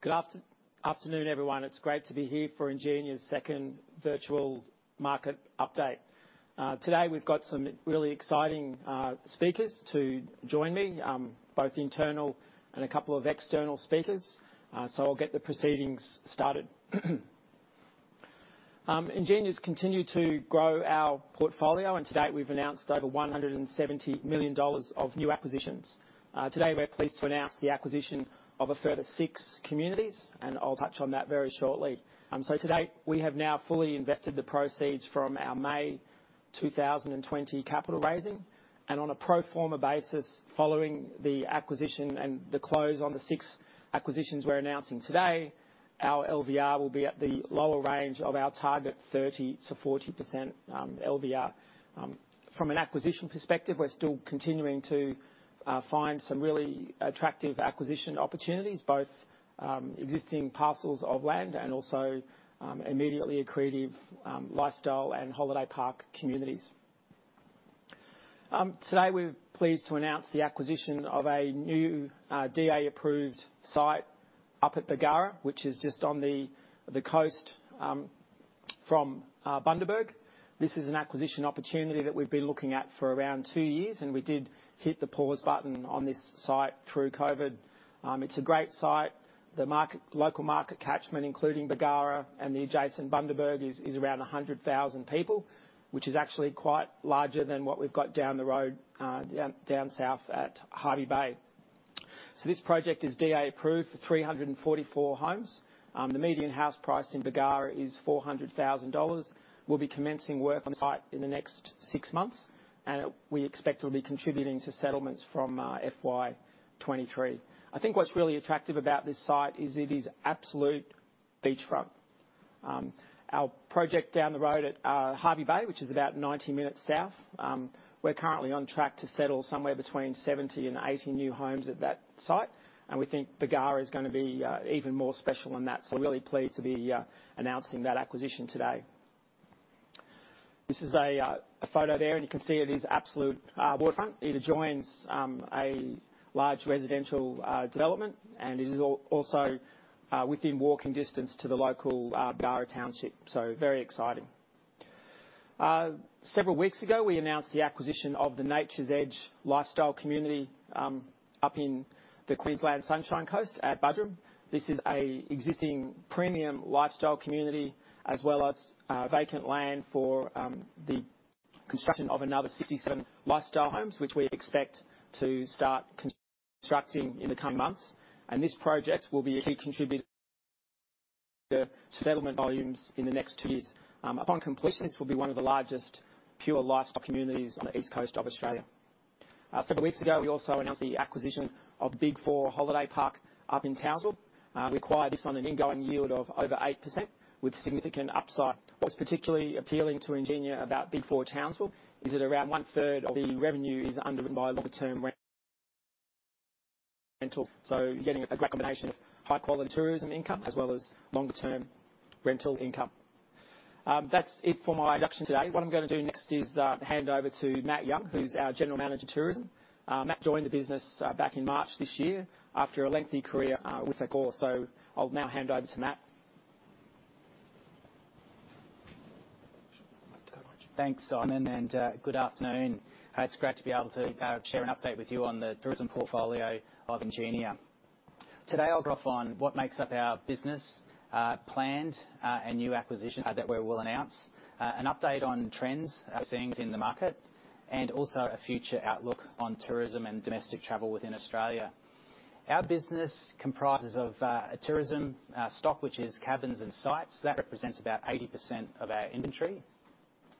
Good afternoon, everyone. It's great to be here for Ingenia's second virtual market update. Today, we've got some really exciting speakers to join me, both internal and a couple of external speakers. I'll get the proceedings started. Ingenia's continued to grow our portfolio, and to date, we've announced over 170 million dollars of new acquisitions. Today, we're pleased to announce the acquisition of a further six communities, and I'll touch on that very shortly. To date, we have now fully invested the proceeds from our May 2020 capital raising, and on a pro forma basis, following the acquisition and the close on the six acquisitions we're anno.ncing today, our LVR will be at the lower range of our target 30%-40% LVR. From an acquisition perspective, we're still continuing to find some really attractive acquisition opportunities, both existing parcels of land and also immediately accretive lifestyle and holiday park communities. Today, we're pleased to announce the acquisition of a new DA-approved site up at Bargara, which is just on the coast from Bundaberg. This is an acquisition opportunity that we've been looking at for around two years, and we did hit the pause button on this site through COVID. It's a great site. The local market catchment, including Bargara and the adjacent Bundaberg, is around 100,000 people, which is actually quite larger than what we've got down the road, down south at Hervey Bay. This project is DA-approved for 344 homes. The median house price in Bargara is 400,000 dollars. We'll be commencing work on site in the next six months, and we expect it'll be contributing to settlements from FY23. I think what's really attractive about this site is it is absolute beachfront. Our project down the road at Hervey Bay, which is about 90 minutes south, we're currently on track to settle somewhere between 70 and 80 new homes at that site. We think Bargara is going to be even more special than that. We're really pleased to be announcing that acquisition today. This is a photo there. You can see it is absolute waterfront. It adjoins a large residential development. It is also within walking distance to the local Bargara township. Very exciting. Several weeks ago, we announced the acquisition of the Nature's Edge lifestyle community up in the Queensland Sunshine Coast at Buderim. This is an existing premium lifestyle community as well as vacant land for the construction of another 67 lifestyle homes, which we expect to start constructing in the coming months. This project will be a key contributor to settlement volumes in the next two years. Upon completion, this will be one of the largest pure lifestyle communities on the east coast of Australia. Several weeks ago, we also announced the acquisition of BIG4 Holiday Park up in Townsville. We acquired this on an ongoing yield of over 8% with significant upside. What's particularly appealing to Ingenia about BIG4 Townsville is that around one-third of the revenue is underwritten by longer-term rental. You're getting a great combination of high-quality tourism income as well as longer-term rental income. That's it for my introduction today. What I'm going to do next is hand over to Matthew Young, who's our General Manager, Tourism. Matt joined the business back in March this year after a lengthy career with Accor. I'll now hand over to Matt. Thanks, Simon. Good afternoon. It's great to be able to share an update with you on the tourism portfolio of Ingenia. Today, I'll go off on what makes up our business plans and new acquisitions that we will announce, an update on trends we're seeing within the market, and also a future outlook on tourism and domestic travel within Australia. Our business comprises of a tourism stock, which is cabins and sites. That represents about 80% of our inventory.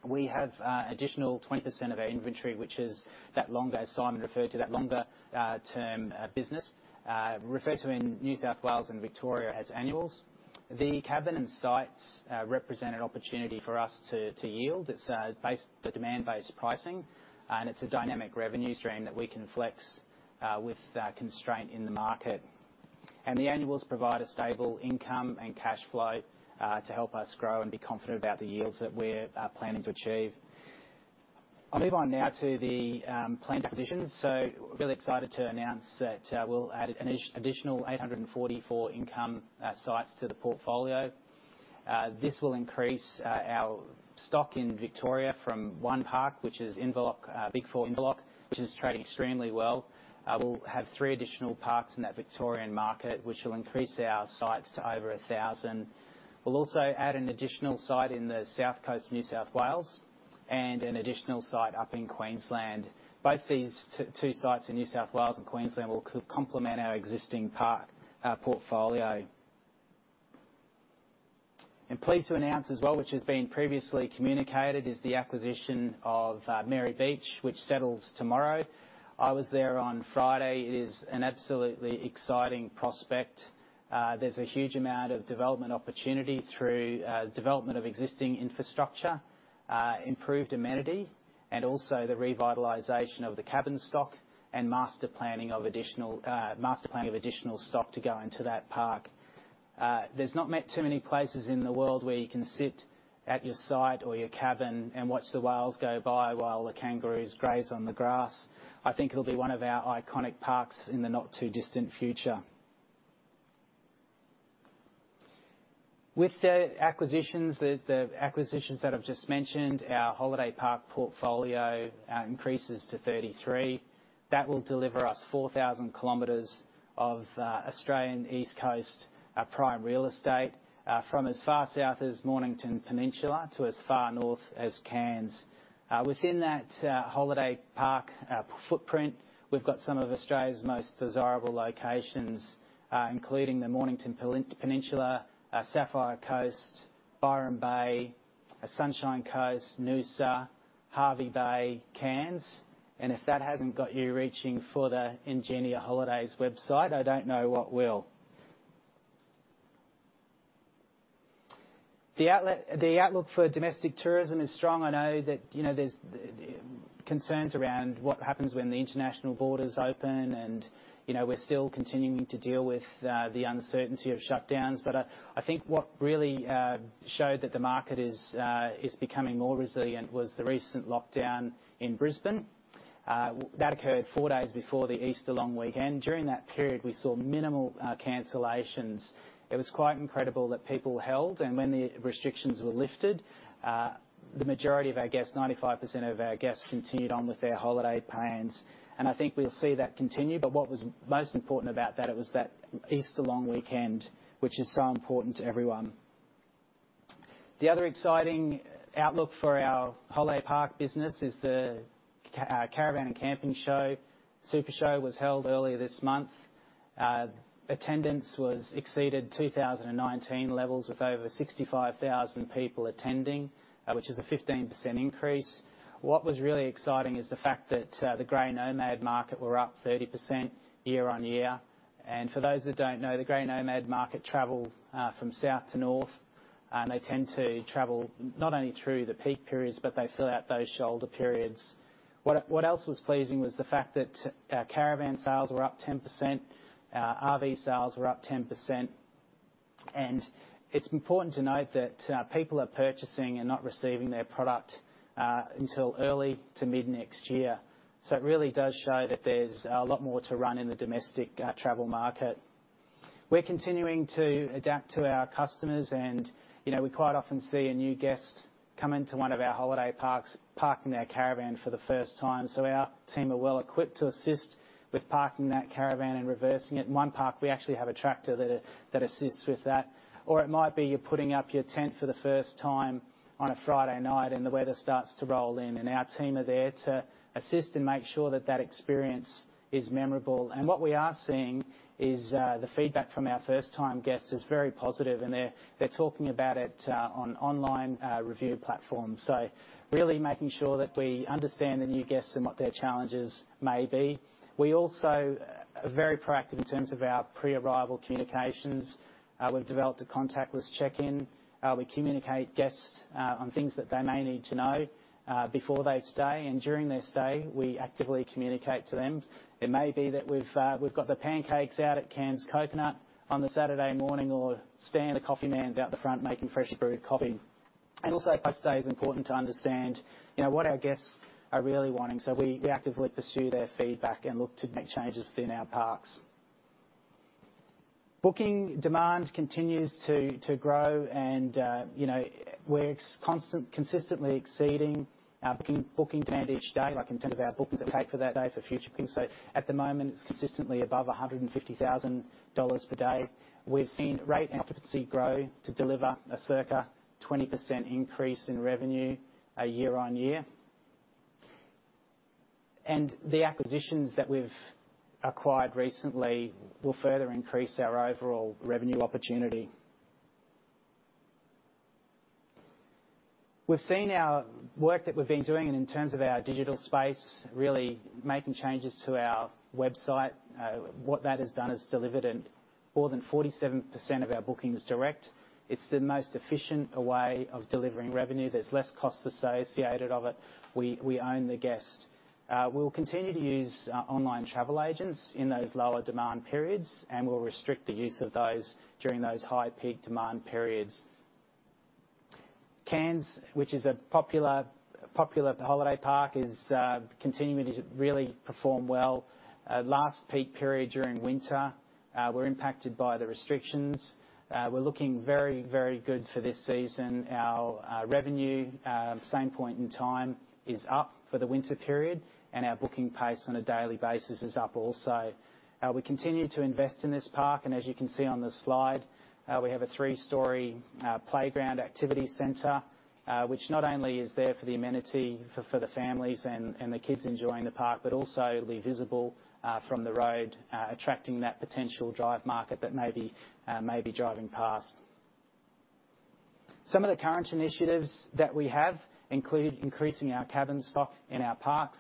We have additional 20% of our inventory, which is that longer, as Simon referred to, that longer term business, referred to in New South Wales and Victoria as annuals. The cabin and sites represent an opportunity for us to yield. It's demand-based pricing. It's a dynamic revenue stream that we can flex with constraint in the market. The annuals provide a stable income and cash flow to help us grow and be confident about the yields that we're planning to achieve. I'll move on now to the planned positions. Really excited to announce that we'll add an additional 844 income sites to the portfolio. This will increase our stock in Victoria from one park, which is Inverloch, BIG4 Inverloch, which is trading extremely well. We'll have three additional parks in that Victorian market, which will increase our sites to over 1,000. We'll also add an additional site in the south coast of New South Wales and an additional site up in Queensland. Both these two sites in New South Wales and Queensland will complement our existing park portfolio. I'm pleased to announce as well, which has been previously communicated, is the acquisition of Merry Beach, which settles tomorrow. I was there on Friday. It is an absolutely exciting prospect. There is a huge amount of development opportunity through development of existing infrastructure, improved amenity, and also the revitalization of the cabin stock and master planning of additional stock to go into that park. There is not too many places in the world where you can sit at your site or your cabin and watch the whales go by while the kangaroos graze on the grass. I think it will be one of our iconic parks in the not too distant future. With the acquisitions that I have just mentioned, our holiday park portfolio increases to 33. That will deliver us 4,000 km of Australian East Coast prime real estate from as far south as Mornington Peninsula to as far north as Cairns. Within that holiday park footprint, we've got some of Australia's most desirable locations, including the Mornington Peninsula, Sapphire Coast, Byron Bay, Sunshine Coast, Noosa, Hervey Bay, Cairns. If that hasn't got you reaching for the Ingenia Holidays website, I don't know what will. The outlook for domestic tourism is strong. I know that there's concerns around what happens when the international borders open, and we're still continuing to deal with the uncertainty of shutdowns. I think what really showed that the market is becoming more resilient was the recent lockdown in Brisbane. That occurred four days before the Easter long weekend. During that period, we saw minimal cancellations. It was quite incredible that people held, and when the restrictions were lifted, the majority of our guests, 95% of our guests, continued on with their holiday plans. I think we'll see that continue, but what was most important about that, it was that Easter long weekend, which is so important to everyone. The other exciting outlook for our holiday park business is the Caravan and Camping Supershow was held earlier this month. Attendance exceeded 2019 levels with over 65,000 people attending, which is a 15% increase. What was really exciting is the fact that the grey nomad market were up 30% year-on-year. For those that don't know, the grey nomad market travel from south to north. They tend to travel not only through the peak periods, but they fill out those shoulder periods. What else was pleasing was the fact that our caravan sales were up 10%, RV sales were up 10%. It's important to note that people are purchasing and not receiving their product until early to mid next year. It really does show that there's a lot more to run in the domestic travel market. We're continuing to adapt to our customers, and we quite often see a new guest come into one of our holiday parks, parking their caravan for the first time. Our team are well equipped to assist with parking that caravan and reversing it. In one park, we actually have a tractor that assists with that. Or it might be you're putting up your tent for the first time on a Friday night and the weather starts to roll in, and our team are there to assist and make sure that that experience is memorable. What we are seeing is the feedback from our first time guests is very positive, and they're talking about it on online review platforms. Really making sure that we understand the new guests and what their challenges may be. We also are very proactive in terms of our pre-arrival communications. We've developed a contactless check-in. We communicate guests on things that they may need to know before they stay. During their stay, we actively communicate to them. It may be that we've got the pancakes out at Cairns Coconut on the Saturday morning, or Stan the coffee man's out the front making fresh brewed coffee. Also post-stay is important to understand what our guests are really wanting. We actively pursue their feedback and look to make changes within our parks. Booking demand continues to grow, and we're consistently exceeding our booking demand each day, like in terms of our bookings that take for that day for future bookings. At the moment, it's consistently above 150,000 dollars per day. We've seen rate and occupancy grow to deliver a circa 20% increase in revenue year on year. The acquisitions that we've acquired recently will further increase our overall revenue opportunity. We've seen our work that we've been doing in terms of our digital space, really making changes to our website. What that has done is delivered more than 47% of our bookings direct. It's the most efficient way of delivering revenue. There's less cost associated of it. We own the guest. We'll continue to use online travel agents in those lower demand periods, and we'll restrict the use of those during those high peak demand periods. Cairns, which is a popular holiday park, is continuing to really perform well. Last peak period during winter, we're impacted by the restrictions. We're looking very good for this season. Our revenue, same point in time, is up for the winter period, and our booking pace on a daily basis is up also. We continue to invest in this park, and as you can see on the slide, we have a three-story playground activity center, which not only is there for the amenity for the families and the kids enjoying the park, but also it'll be visible from the road attracting that potential drive market that may be driving past. Some of the current initiatives that we have include increasing our cabin stock in our parks.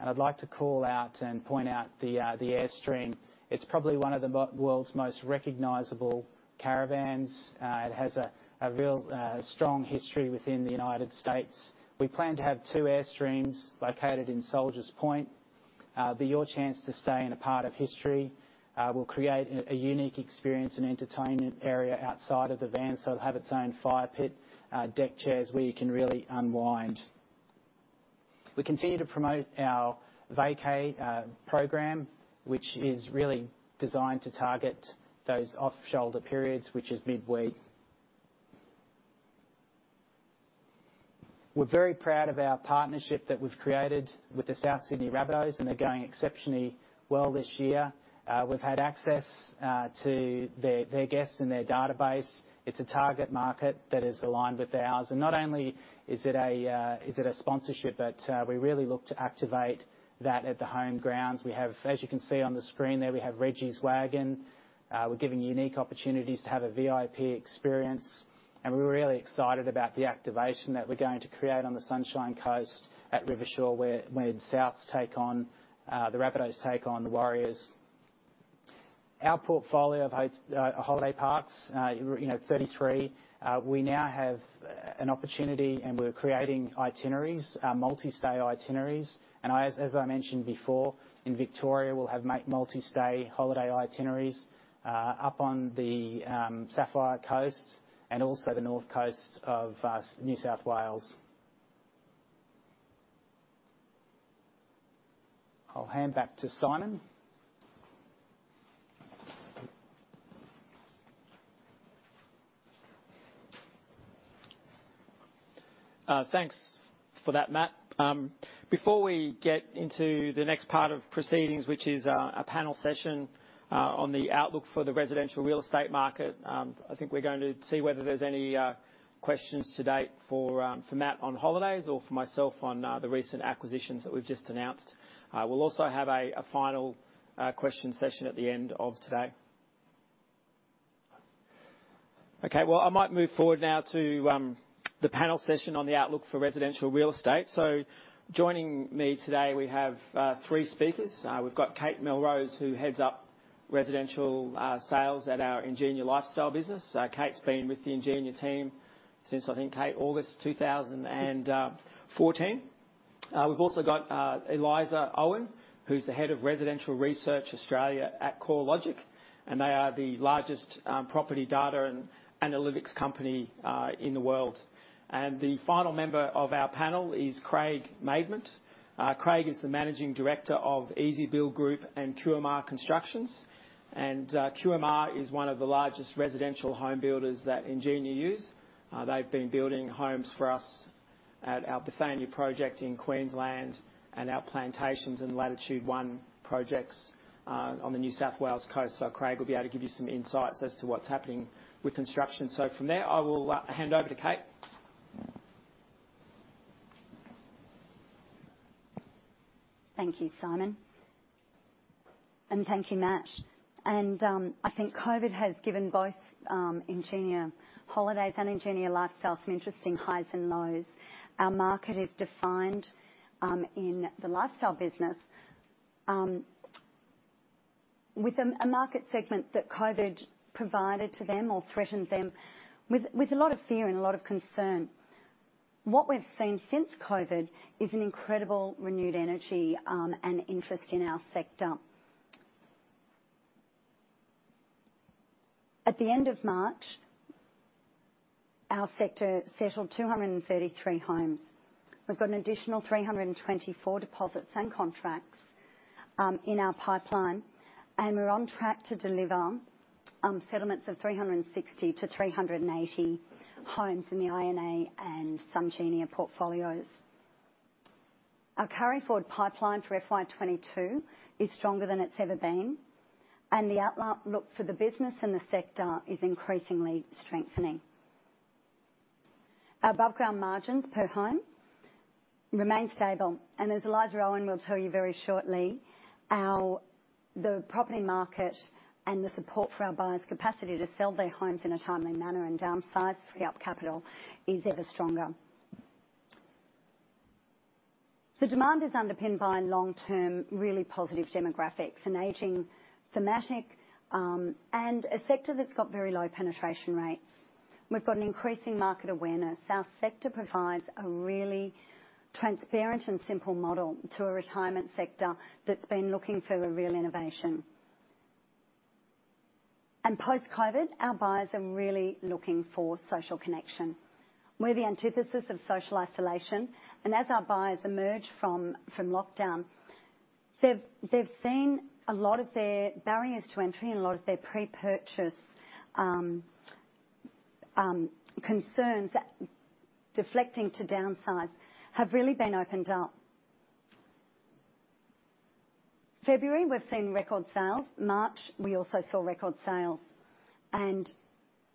I'd like to call out and point out the Airstream. It's probably one of the world's most recognizable caravans. It has a real strong history within the United States. We plan to have two Airstreams located in Soldiers Point be your chance to stay in a part of history. We'll create a unique experience and entertainment area outside of the van, so it'll have its own fire pit, deck chairs, where you can really unwind. We continue to promote our vacay program, which is really designed to target those off-shoulder periods, which is midweek. We're very proud of our partnership that we've created with the South Sydney Rabbitohs, and they're going exceptionally well this year. We've had access to their guests and their database. It's a target market that is aligned with ours. Not only is it a sponsorship, but we really look to activate that at the home grounds. As you can see on the screen there, we have Reggie's Wagon. We're giving unique opportunities to have a VIP experience, and we're really excited about the activation that we're going to create on the Sunshine Coast at Rivershore, where the Rabbitohs take on the Warriors. Our portfolio of holiday parks, 33. We now have an opportunity, we're creating itineraries, multi-stay itineraries. As I mentioned before, in Victoria, we'll have multi-stay holiday itineraries up on the Sapphire Coast and also the North Coast of New South Wales. I'll hand back to Simon. Thanks for that, Matt. Before we get into the next part of proceedings, which is a panel session on the outlook for the residential real estate market, I think we're going to see whether there's any questions to date for Matt on holidays or for myself on the recent acquisitions that we've just announced. We'll also have a final question session at the end of today. Okay. Well, I might move forward now to the panel session on the outlook for residential real estate. Joining me today, we have three speakers. We've got Kate Melrose, who heads up residential sales at our Ingenia Lifestyle business. Kate's been with the Ingenia team since, I think, Kate, August 2014. We've also got Eliza Owen, who's the head of residential research Australia at CoreLogic, and they are the largest property data and analytics company in the world. The final member of our panel is Craig Maidment. Craig is the managing director of Ezi Build Group and QMR Constructions. QMR is one of the largest residential home builders that Ingenia use. They've been building homes for us at our Bethania project in Queensland and our Plantations and Latitude One projects on the New South Wales coast. Craig will be able to give you some insights as to what's happening with construction. From there, I will hand over to Kate. Thank you, Simon. Thank you, Matt. I think COVID has given both Ingenia Holidays and Ingenia Lifestyle some interesting highs and lows. Our market is defined in the lifestyle business with a market segment that COVID provided to them or threatened them with a lot of fear and a lot of concern. What we've seen since COVID is an incredible renewed energy and interest in our sector. At the end of March, our sector settled 233 homes. We've got an additional 324 deposits and contracts in our pipeline, and we're on track to deliver settlements of 360-380 homes in the I&A and Sun JV portfolios. Our carry-forward pipeline for FY 2022 is stronger than it's ever been, and the outlook for the business and the sector is increasingly strengthening. Our above-ground margins per home remain stable. As Eliza Owen will tell you very shortly, the property market and the support for our buyers' capacity to sell their homes in a timely manner and downsize to free up capital is ever stronger. The demand is underpinned by long-term, really positive demographics, an aging thematic, and a sector that's got very low penetration rates. We've got an increasing market awareness. Our sector provides a really transparent and simple model to a retirement sector that's been looking for a real innovation. Post-COVID, our buyers are really looking for social connection. We're the antithesis of social isolation, and as our buyers emerge from lockdown, they've seen a lot of their barriers to entry and a lot of their pre-purchase concerns deflecting to downsize have really been opened up. February, we've seen record sales. March, we also saw record sales.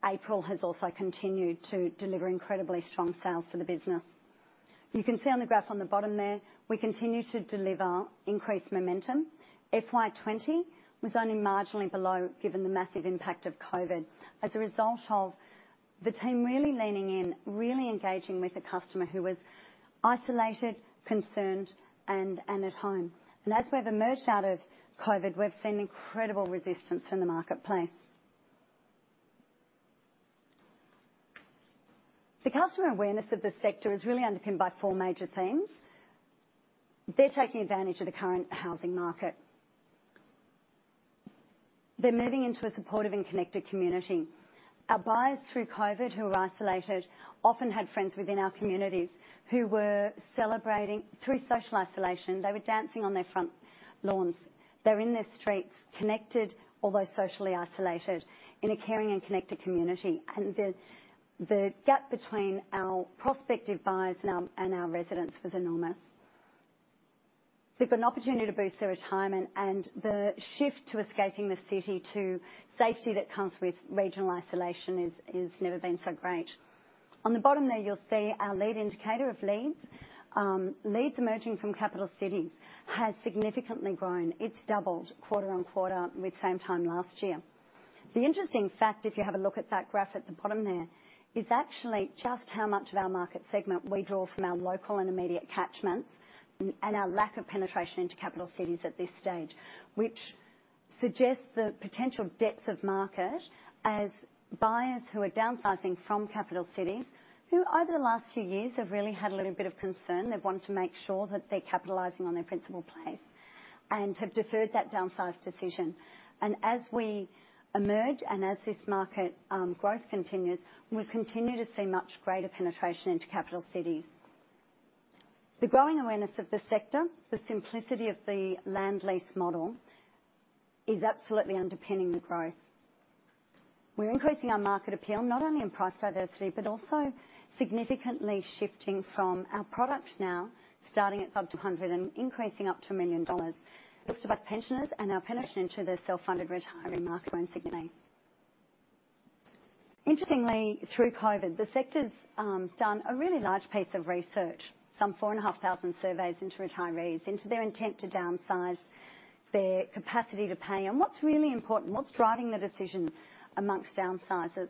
April has also continued to deliver incredibly strong sales for the business. You can see on the graph on the bottom there, we continue to deliver increased momentum. FY 2020 was only marginally below, given the massive impact of COVID, as a result of the team really leaning in, really engaging with the customer who was isolated, concerned, and at home. As we've emerged out of COVID, we've seen incredible resistance from the marketplace. The customer awareness of the sector is really underpinned by four major themes. They're taking advantage of the current housing market. They're moving into a supportive and connected community. Our buyers through COVID, who were isolated, often had friends within our communities who were celebrating through social isolation. They were dancing on their front lawns. They were in their streets, connected, although socially isolated, in a caring and connected community. The gap between our prospective buyers and our residents was enormous. They've got an opportunity to boost their retirement and the shift to escaping the city, to safety that comes with regional isolation has never been so great. On the bottom there, you'll see our lead indicator of leads. Leads emerging from capital cities has significantly grown. It's doubled quarter on quarter with the same time last year. The interesting fact, if you have a look at that graph at the bottom there, is actually just how much of our market segment we draw from our local and immediate catchments and our lack of penetration into capital cities at this stage, which suggests the potential depth of market as buyers who are downsizing from capital cities, who over the last few years have really had a little bit of concern. They've wanted to make sure that they're capitalizing on their principal place and have deferred that downsize decision. As we emerge and as this market growth continues, we'll continue to see much greater penetration into capital cities. The growing awareness of the sector, the simplicity of the land lease model is absolutely underpinning the growth. We're increasing our market appeal, not only in price diversity, but also significantly shifting from our product now, starting at sub 200 and increasing up to 1 million dollars. Looks to both pensioners and our penetration to the self-funded retiring market we're Ingenia. Interestingly, through COVID-19, the sector's done a really large piece of research, some 4,500 surveys into retirees, into their intent to downsize, their capacity to pay, and what's really important, what's driving the decision amongst downsizers.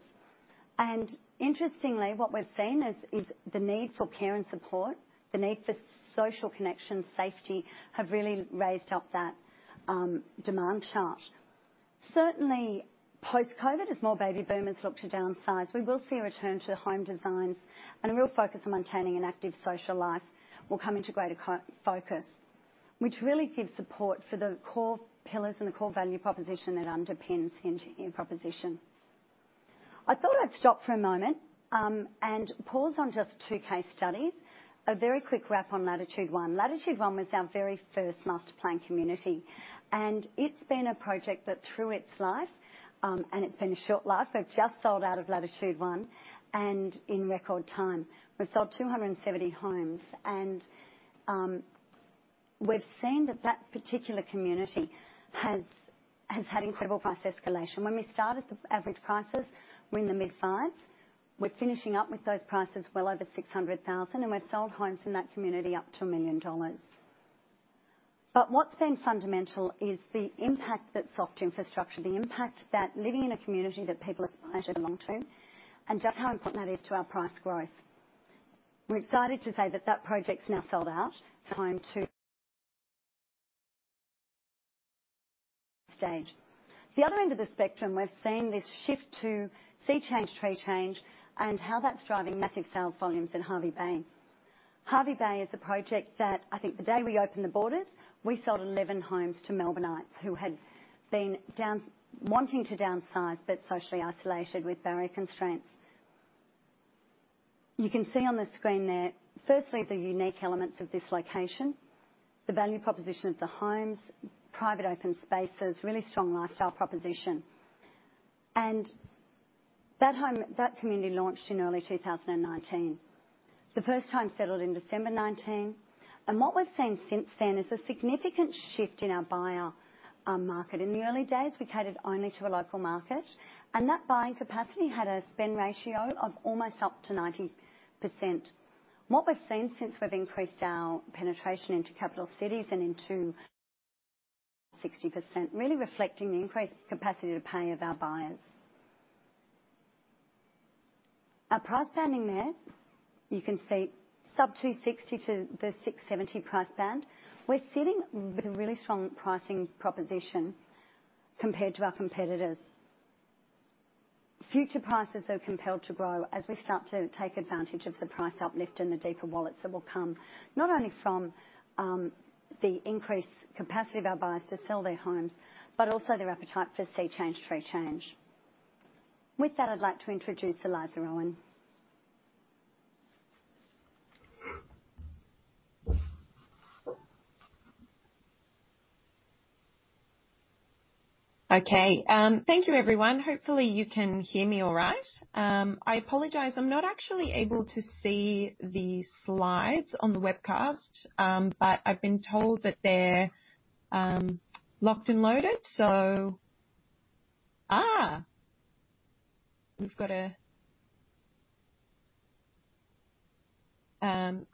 Interestingly, what we've seen is the need for care and support, the need for social connection, safety, have really raised up that demand chart. Certainly post-COVID, as more baby boomers look to downsize, we will see a return to home designs and a real focus on maintaining an active social life will come into greater focus, which really gives support for the core pillars and the core value proposition that underpins Ingenia proposition. I thought I'd stop for a moment and pause on just two case studies. A very quick wrap on Latitude One. Latitude One was our very first master planned community, and it's been a project that through its life, and it's been a short life. We've just sold out of Latitude One and in record time. We've sold 270 homes, and we've seen that that particular community has had incredible price escalation. When we started, the average prices were in the mid fives. We're finishing up with those prices well over 600,000, and we've sold homes in that community up to 1 million dollars. What's been fundamental is the impact that soft infrastructure, the impact that living in a community that people aspire to belong to, and just how important that is to our price growth. We're excited to say that that project's now sold out. Time to stage. The other end of the spectrum, we've seen this shift to sea change, tree change, and how that's driving massive sales volumes in Hervey Bay. Hervey Bay is a project that I think the day we opened the borders, we sold 11 homes to Melburnites who had been wanting to downsize but socially isolated with barrier constraints. You can see on the screen there, firstly, the unique elements of this location, the value proposition of the homes, private open spaces, really strong lifestyle proposition. That community launched in early 2019. The first home settled in December 2019. What we're seeing since then is a significant shift in our buyer market. In the early days, we catered only to a local market, and that buying capacity had a spend ratio of almost up to 90%. What we've seen since we've increased our penetration into capital cities and into 60%, really reflecting the increased capacity to pay of our buyers. Our price banding there, you can see sub 260 to the 670 price band. We're sitting with a really strong pricing proposition compared to our competitors. Future prices are compelled to grow as we start to take advantage of the price uplift and the deeper wallets that will come, not only from the increased capacity of our buyers to sell their homes, but also their appetite for sea change, tree change. With that, I'd like to introduce Eliza Owen. Thank you, everyone. Hopefully, you can hear me all right. I apologize. I'm not actually able to see the slides on the webcast, but I've been told that they're locked and loaded.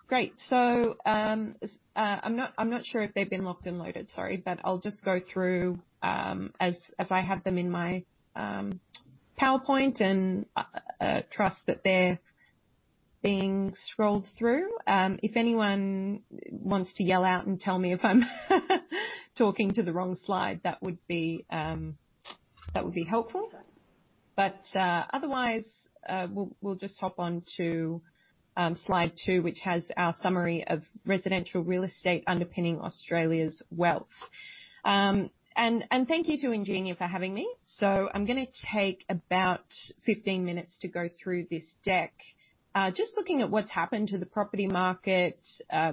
Great. I'm not sure if they've been locked and loaded. Sorry. I'll just go through as I have them in my PowerPoint and trust that they're being scrolled through. If anyone wants to yell out and tell me if I'm talking to the wrong slide, that would be helpful. Otherwise, we'll just hop on to slide two, which has our summary of residential real estate underpinning Australia's wealth. Thank you to Ingenia for having me. I'm going to take about 15 minutes to go through this deck. Just looking at what's happened to the property market,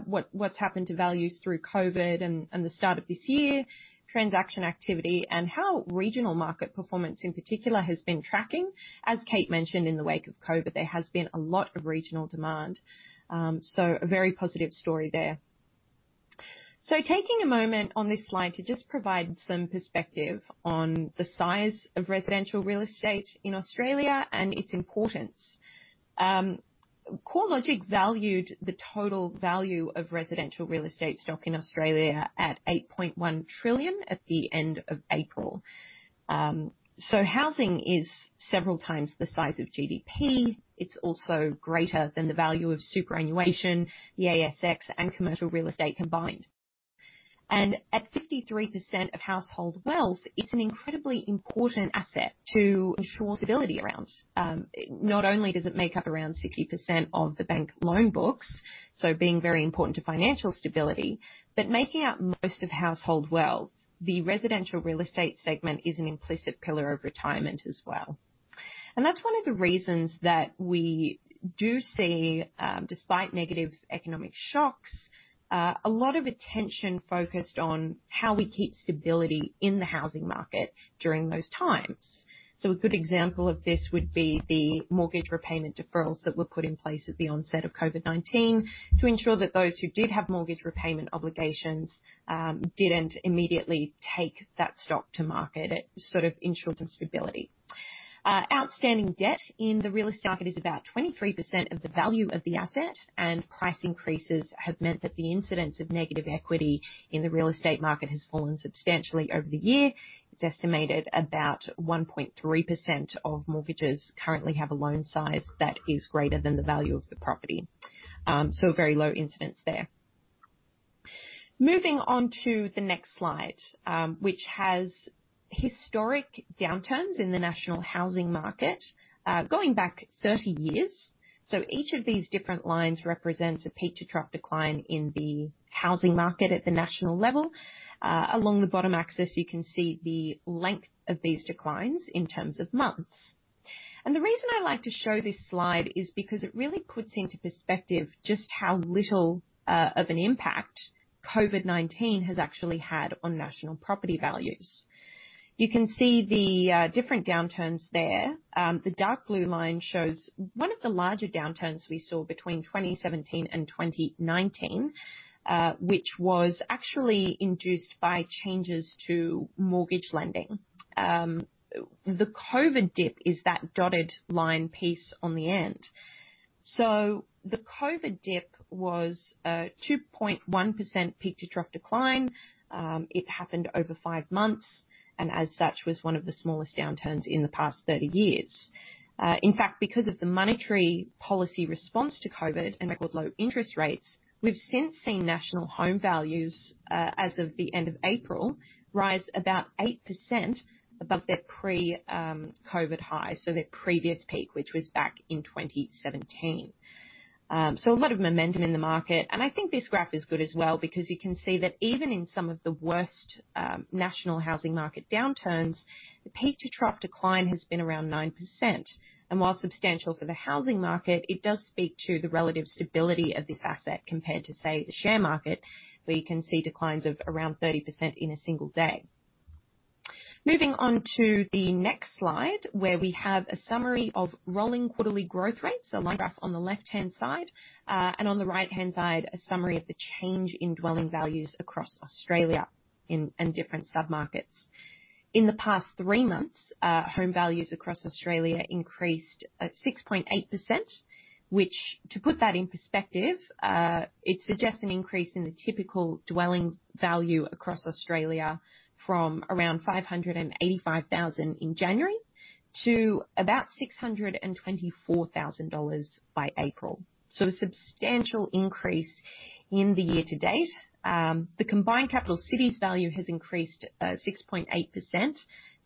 what's happened to values through COVID and the start of this year, transaction activity, and how regional market performance in particular has been tracking. As Kate mentioned, in the wake of COVID, there has been a lot of regional demand. A very positive story there. Taking a moment on this slide to just provide some perspective on the size of residential real estate in Australia and its importance. CoreLogic valued the total value of residential real estate stock in Australia at 8.1 trillion at the end of April. Housing is several times the size of GDP. It's also greater than the value of superannuation, the ASX, and commercial real estate combined. At 53% of household wealth, it's an incredibly important asset to ensure stability around. Not only does it make up around 60% of the bank loan books, being very important to financial stability, but making up most of household wealth. The residential real estate segment is an implicit pillar of retirement as well. That's one of the reasons that we do see, despite negative economic shocks, a lot of attention focused on how we keep stability in the housing market during those times. A good example of this would be the mortgage repayment deferrals that were put in place at the onset of COVID-19 to ensure that those who did have mortgage repayment obligations, didn't immediately take that stock to market. It sort of ensured some stability. Outstanding debt in the real estate market is about 23% of the value of the asset, and price increases have meant that the incidence of negative equity in the real estate market has fallen substantially over the year. It's estimated about 1.3% of mortgages currently have a loan size that is greater than the value of the property. A very low incidence there. Moving on to the next slide, which has historic downturns in the national housing market, going back 30 years. Each of these different lines represents a peak-to-trough decline in the housing market at the national level. Along the bottom axis, you can see the length of these declines in terms of months. The reason I like to show this slide is because it really puts into perspective just how little of an impact COVID-19 has actually had on national property values. You can see the different downturns there. The dark blue line shows one of the larger downturns we saw between 2017 and 2019, which was actually induced by changes to mortgage lending. The COVID dip is that dotted line piece on the end. The COVID dip was a 2.1% peak-to-trough decline. It happened over five months, and as such, was one of the smallest downturns in the past 30 years. In fact, because of the monetary policy response to COVID and record low interest rates, we've since seen national home values, as of the end of April, rise about 8% above their pre-COVID high. Their previous peak, which was back in 2017. A lot of momentum in the market. I think this graph is good as well because you can see that even in some of the worst national housing market downturns, the peak-to-trough decline has been around 9%. While substantial for the housing market, it does speak to the relative stability of this asset compared to, say, the share market, where you can see declines of around 30% in a single day. Moving on to the next slide, where we have a summary of rolling quarterly growth rates. My graph on the left-hand side. On the right-hand side, a summary of the change in dwelling values across Australia and different sub-markets. In the past three months, home values across Australia increased at 6.8%, which to put that in perspective, it suggests an increase in the typical dwelling value across Australia from around 585,000 in January to about 624,000 dollars by April. A substantial increase in the year to date. The combined capital cities value has increased 6.8%,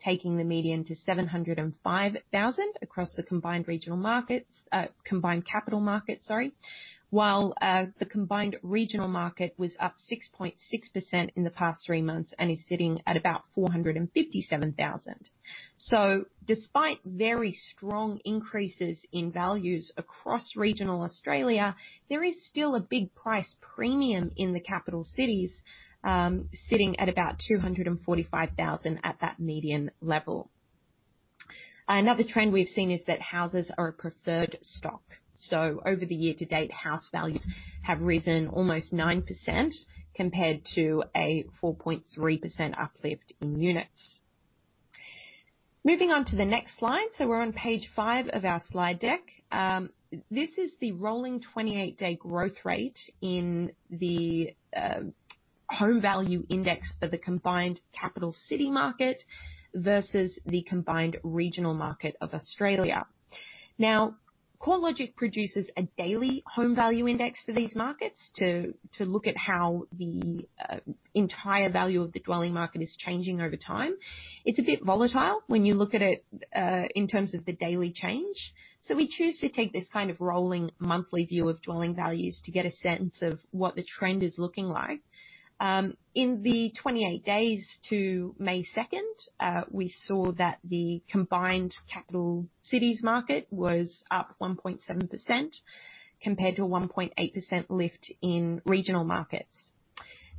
taking the median to 705,000 across the combined capital markets, sorry. While the combined regional market was up 6.6% in the past three months and is sitting at about 457,000. Despite very strong increases in values across regional Australia, there is still a big price premium in the capital cities, sitting at about 245,000 at that median level. Another trend we've seen is that houses are a preferred stock. Over the year to date, house values have risen almost 9%, compared to a 4.3% uplift in units. Moving on to the next slide. We're on page five of our slide deck. This is the rolling 28-day growth rate in the home value index for the combined capital city market versus the combined regional market of Australia. CoreLogic produces a daily home value index for these markets to look at how the entire value of the dwelling market is changing over time. It's a bit volatile when you look at it in terms of the daily change. We choose to take this kind of rolling monthly view of dwelling values to get a sense of what the trend is looking like. In the 28 days to May 2nd, we saw that the combined capital cities market was up 1.7%, compared to a 1.8% lift in regional markets.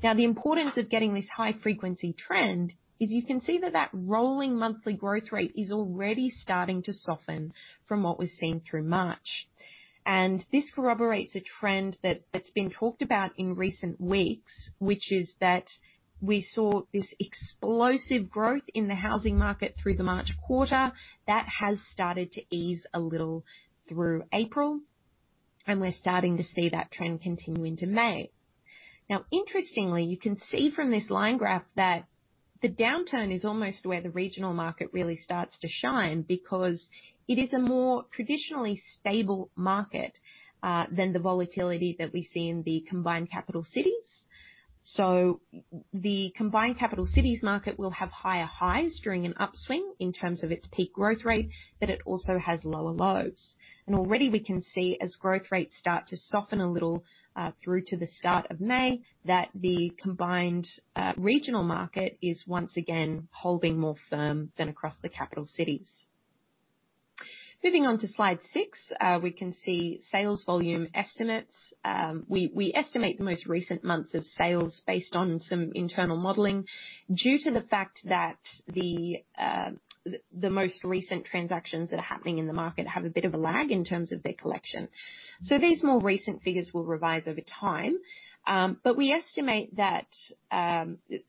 The importance of getting this high-frequency trend is you can see that that rolling monthly growth rate is already starting to soften from what was seen through March. This corroborates a trend that's been talked about in recent weeks, which is that we saw this explosive growth in the housing market through the March quarter. That has started to ease a little through April, and we're starting to see that trend continue into May. Interestingly, you can see from this line graph that the downturn is almost where the regional market really starts to shine, because it is a more traditionally stable market than the volatility that we see in the combined capital cities. The combined capital cities market will have higher highs during an upswing in terms of its peak growth rate, but it also has lower lows. Already we can see as growth rates start to soften a little, through to the start of May, that the combined regional market is once again holding more firm than across the capital cities. Moving on to slide six, we can see sales volume estimates. We estimate the most recent months of sales based on some internal modeling due to the fact that the most recent transactions that are happening in the market have a bit of a lag in terms of their collection. These more recent figures will revise over time. We estimate that,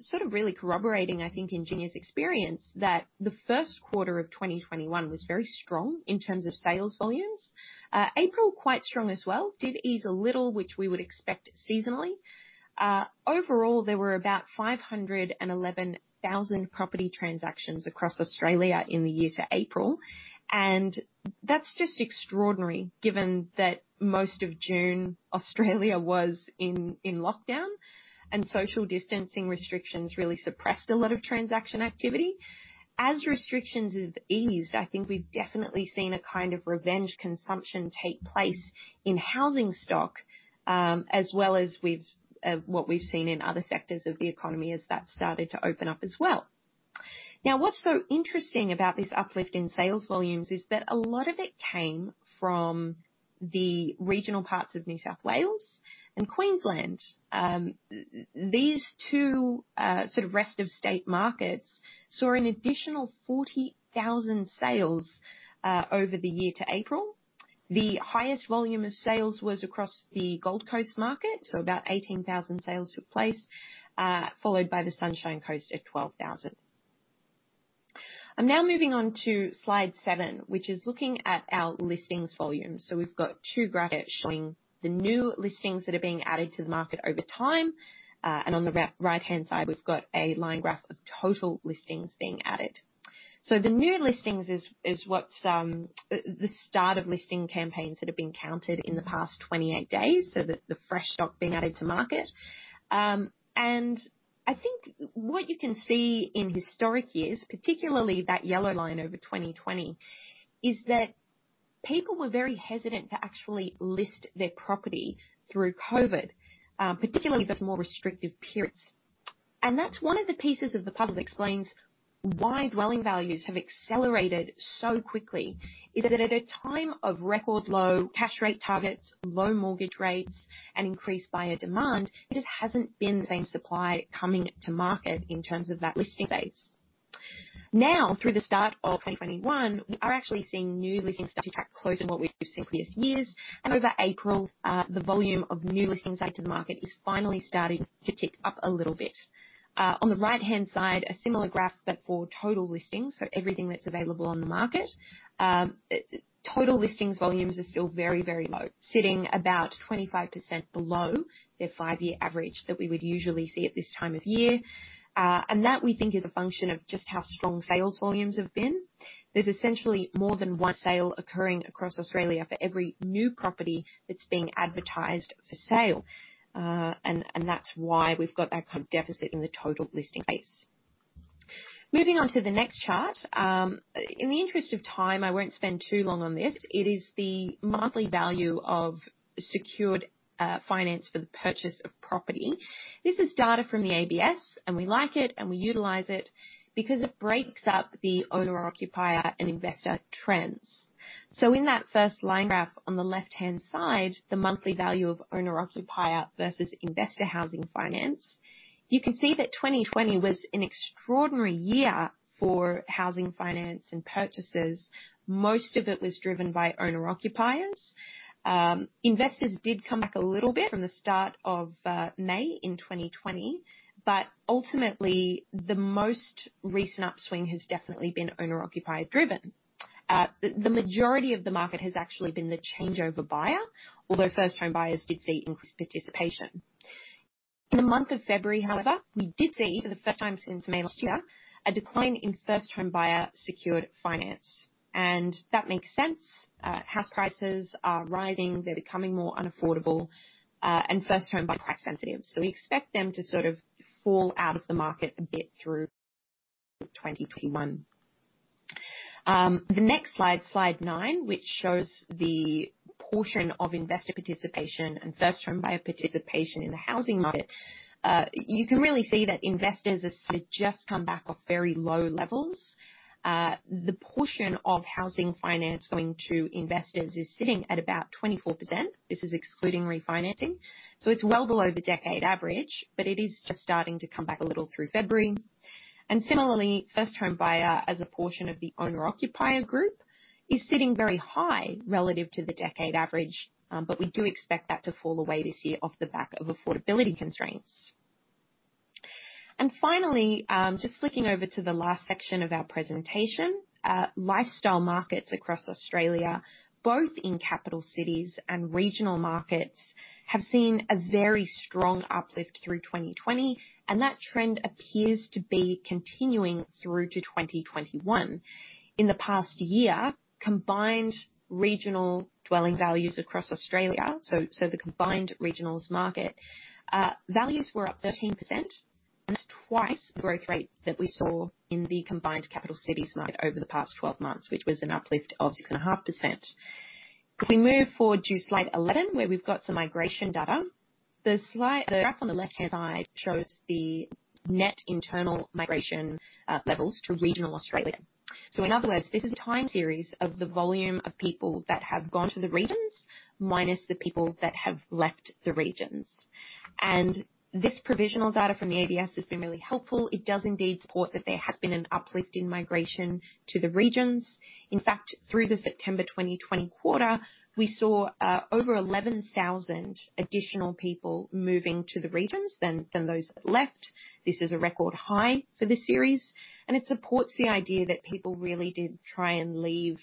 sort of really corroborating, I think, Ingenia's experience, that the first quarter of 2021 was very strong in terms of sales volumes. April, quite strong as well. Did ease a little, which we would expect seasonally. Overall, there were about 511,000 property transactions across Australia in the year to April, and that's just extraordinary given that most of June, Australia was in lockdown and social distancing restrictions really suppressed a lot of transaction activity. As restrictions have eased, I think we've definitely seen a kind of revenge consumption take place in housing stock, as well as what we've seen in other sectors of the economy as that's started to open up as well. What's so interesting about this uplift in sales volumes is that a lot of it came from the regional parts of New South Wales and Queensland. These two sort of rest of state markets saw an additional 40,000 sales over the year to April. The highest volume of sales was across the Gold Coast market. About 18,000 sales took place, followed by the Sunshine Coast at 12,000. I'm now moving on to slide seven, which is looking at our listings volume. We've got two graphs showing the new listings that are being added to the market over time. On the right-hand side, we've got a line graph of total listings being added. The new listings is the start of listing campaigns that have been counted in the past 28 days, so the fresh stock being added to market. I think what you can see in historic years, particularly that yellow line over 2020, is that people were very hesitant to actually list their property through COVID, particularly those more restrictive periods. That's one of the pieces of the puzzle that explains why dwelling values have accelerated so quickly. At a time of record low cash rate targets, low mortgage rates, and increased buyer demand, it just hasn't been the same supply coming to market in terms of that listing base. Through the start of 2021, we are actually seeing new listings start to track closer to what we've seen in previous years. Over April, the volume of new listings added to the market is finally starting to tick up a little bit. On the right-hand side, a similar graph, but for total listings, so everything that's available on the market. Total listings volumes are still very low, sitting about 25% below their five-year average that we would usually see at this time of year. That, we think, is a function of just how strong sales volumes have been. There's essentially more than one sale occurring across Australia for every new property that's being advertised for sale. That's why we've got that deficit in the total listing base. Moving on to the next chart. In the interest of time, I won't spend too long on this. It is the monthly value of secured finance for the purchase of property. This is data from the ABS, and we like it, and we utilize it because it breaks up the owner-occupier and investor trends. In that first line graph on the left-hand side, the monthly value of owner-occupier versus investor housing finance. You can see that 2020 was an extraordinary year for housing finance and purchases. Most of it was driven by owner-occupiers. Investors did come back a little bit from the start of May in 2020, but ultimately, the most recent upswing has definitely been owner-occupier driven. The majority of the market has actually been the changeover buyer, although first-time buyers did see increased participation. In the month of February, however, we did see, for the first time since May last year, a decline in first-home buyer secured finance. That makes sense. House prices are rising, they're becoming more unaffordable, and first home buyers are price sensitive. We expect them to sort of fall out of the market a bit through 2021. The next slide nine, which shows the portion of investor participation and first home buyer participation in the housing market. You can really see that investors have just come back off very low levels. The portion of housing finance going to investors is sitting at about 24%. This is excluding refinancing, so it's well below the decade average, but it is just starting to come back a little through February. Similarly, first home buyer as a portion of the owner-occupier group is sitting very high relative to the decade average. We do expect that to fall away this year off the back of affordability constraints. Finally, just flicking over to the last section of our presentation. Lifestyle markets across Australia, both in capital cities and regional markets, have seen a very strong uplift through 2020, and that trend appears to be continuing through to 2021. In the past year, combined regional dwelling values across Australia, so the combined regionals market, values were up 13% and twice the growth rate that we saw in the combined capital cities market over the past 12 months, which was an uplift of 6.5%. If we move forward to slide 11, where we've got some migration data. The graph on the left-hand side shows the net internal migration levels to regional Australia. In other words, this is a time series of the volume of people that have gone to the regions minus the people that have left the regions. This provisional data from the ABS has been really helpful. It does indeed support that there has been an uplift in migration to the regions. In fact, through the September 2020 quarter, we saw over 11,000 additional people moving to the regions than those that left. This is a record high for this series, and it supports the idea that people really did try and leave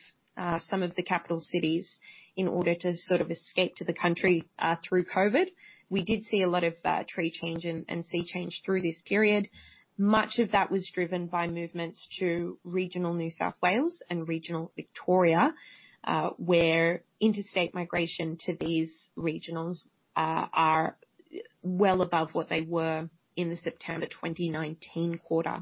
some of the capital cities in order to sort of escape to the country through COVID-19. We did see a lot of tree change and sea change through this period. Much of that was driven by movements to regional New South Wales and regional Victoria, where interstate migration to these regionals are well above what they were in the September 2019 quarter.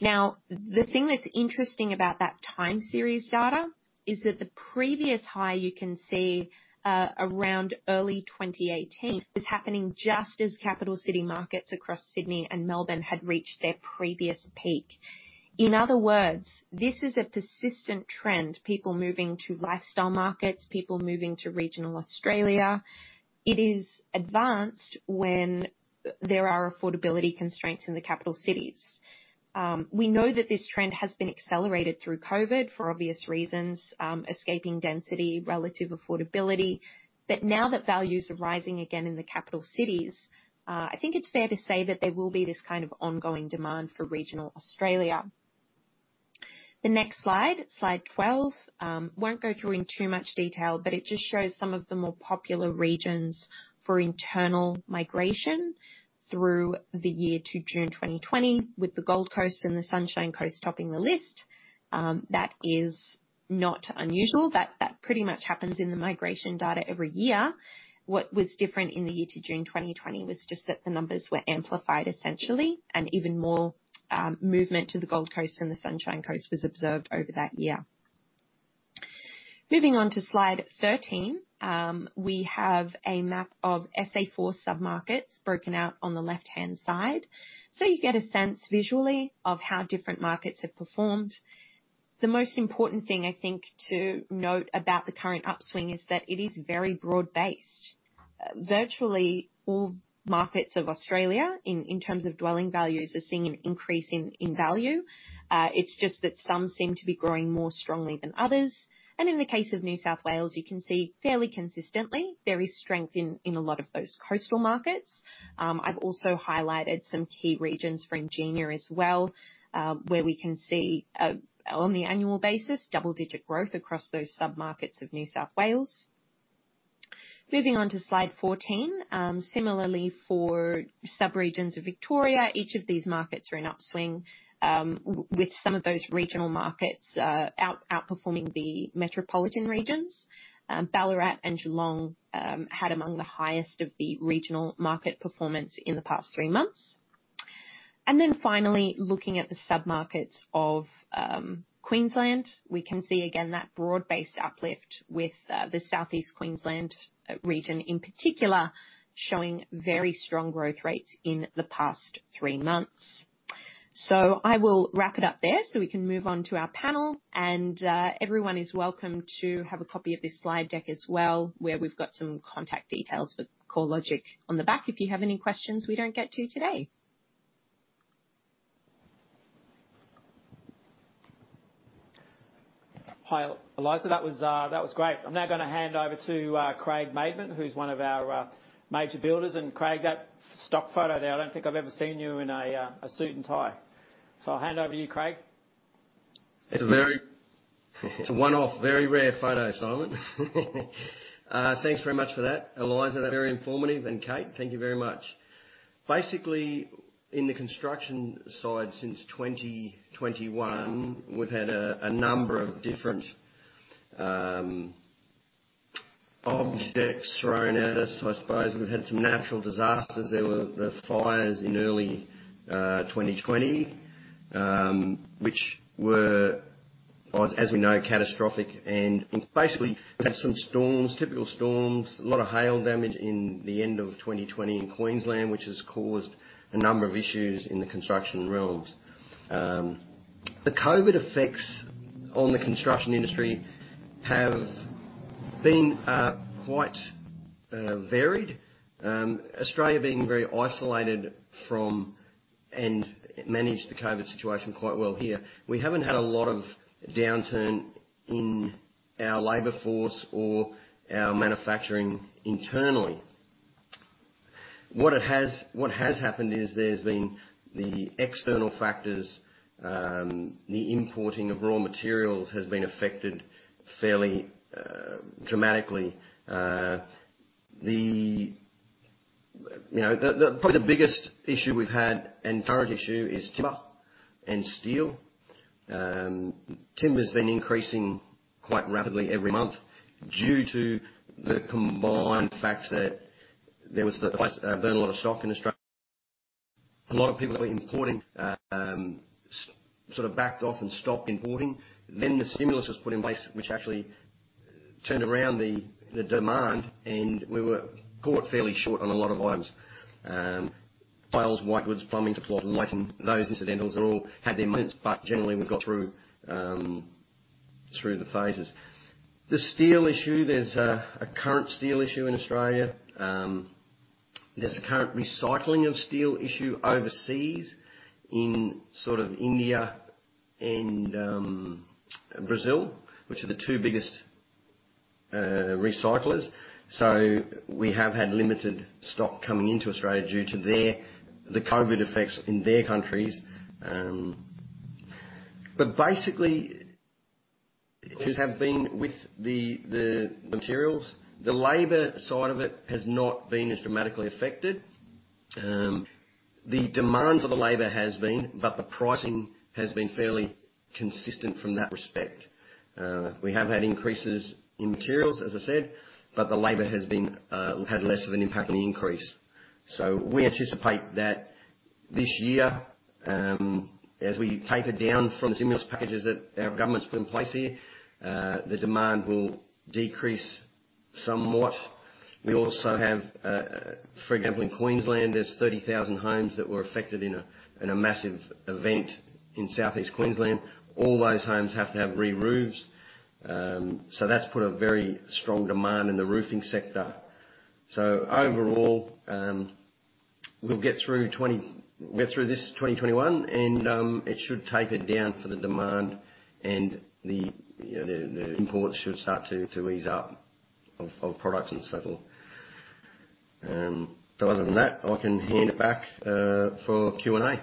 Now, the thing that's interesting about that time series data is that the previous high, you can see, around early 2018, was happening just as capital city markets across Sydney and Melbourne had reached their previous peak. In other words, this is a persistent trend. People moving to lifestyle markets, people moving to regional Australia. It is advanced when there are affordability constraints in the capital cities. We know that this trend has been accelerated through COVID-19 for obvious reasons, escaping density, relative affordability. Now that values are rising again in the capital cities, I think it's fair to say that there will be this kind of ongoing demand for regional Australia. The next slide 12. Won't go through in too much detail, it just shows some of the more popular regions for internal migration through the year to June 2020, with the Gold Coast and the Sunshine Coast topping the list. That is not unusual. That pretty much happens in the migration data every year. What was different in the year to June 2020 was just that the numbers were amplified, essentially, and even more movement to the Gold Coast and the Sunshine Coast was observed over that year. Moving on to slide 13. We have a map of SA4 sub-markets broken out on the left-hand side so you get a sense visually of how different markets have performed. The most important thing, I think, to note about the current upswing is that it is very broad-based. Virtually all markets of Australia, in terms of dwelling values, are seeing an increase in value. It's just that some seem to be growing more strongly than others. In the case of New South Wales, you can see fairly consistently there is strength in a lot of those coastal markets. I've also highlighted some key regions for Ingenia as well, where we can see, on the annual basis, double-digit growth across those sub-markets of New South Wales. Moving on to slide 14. Similarly, for sub-regions of Victoria, each of these markets are in upswing, with some of those regional markets outperforming the metropolitan regions. Ballarat and Geelong had among the highest of the regional market performance in the past three months. Then finally, looking at the sub-markets of Queensland, we can see again that broad-based uplift with the Southeast Queensland region in particular, showing very strong growth rates in the past three months. I will wrap it up there so we can move on to our panel. Everyone is welcome to have a copy of this slide deck as well, where we've got some contact details for CoreLogic on the back, if you have any questions we don't get to today. Hi, Eliza. That was great. I'm now going to hand over to Craig Maidment, who's one of our major builders. Craig, that stock photo there, I don't think I've ever seen you in a suit and tie. I'll hand over to you, Craig. It's a one-off, very rare photo, Simon. Thanks very much for that. Eliza, very informative, and Kate, thank you very much. Basically, in the construction side since 2021, we've had a number of different objects thrown at us, I suppose. We've had some natural disasters. There were the fires in early 2020, which were, as we know, catastrophic and basically had some storms, typical storms, a lot of hail damage in the end of 2020 in Queensland, which has caused a number of issues in the construction realms. The COVID-19 effects on the construction industry have been quite varied. Australia being very isolated from and managed the COVID-19 situation quite well here. We haven't had a lot of downturn in our labor force or our manufacturing internally. What has happened is there's been the external factors, the importing of raw materials has been affected fairly dramatically. Probably the biggest issue we've had and current issue is timber and steel. Timber's been increasing quite rapidly every month due to the combined facts that there was, I suppose, burn a lot of stock in Australia. A lot of people were importing, sort of backed off and stopped importing. The stimulus was put in place, which actually turned around the demand, and we were caught fairly short on a lot of items. Tiles, white goods, plumbing supplies, lighting, those incidentals all had their moments, but generally, we got through the phases. The steel issue, there's a current steel issue in Australia. There's a current recycling of steel issue overseas in India and Brazil, which are the two biggest recyclers. We have had limited stock coming into Australia due to the COVID-19 effects in their countries. Basically, issues have been with the materials. The labor side of it has not been as dramatically affected. The demands of the labor has been, but the pricing has been fairly consistent from that respect. We have had increases in materials, as I said, but the labor had less of an impact on the increase. We anticipate that this year, as we taper down from the stimulus packages that our government's put in place here, the demand will decrease somewhat. We also have, for example, in Queensland, there's 30,000 homes that were affected in a massive event in Southeast Queensland. All those homes have to have re-roofs. That's put a very strong demand in the roofing sector. Overall, we'll get through this 2021, and it should taper down for the demand and the imports should start to ease up of products and so forth. Other than that, I can hand it back for Q&A.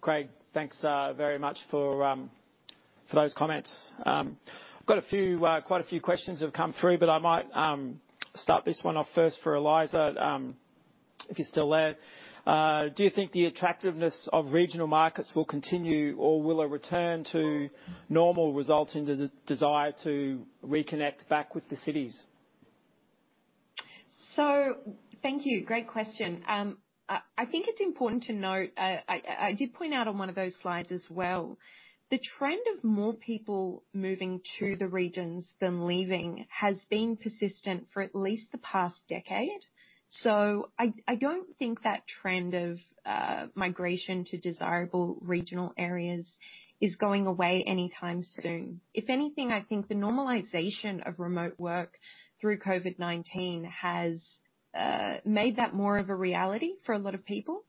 Craig, thanks very much for those comments. I've got quite a few questions have come through, I might start this one off first for Eliza, if you're still there. Do you think the attractiveness of regional markets will continue or will a return to normal result in the desire to reconnect back with the cities? Thank you. Great question. I think it's important to note, I did point out on one of those slides as well. The trend of more people moving to the regions than leaving has been persistent for at least the past decade. I don't think that trend of migration to desirable regional areas is going away anytime soon. If anything, I think the normalization of remote work through COVID-19 has made that more of a reality for a lot of people.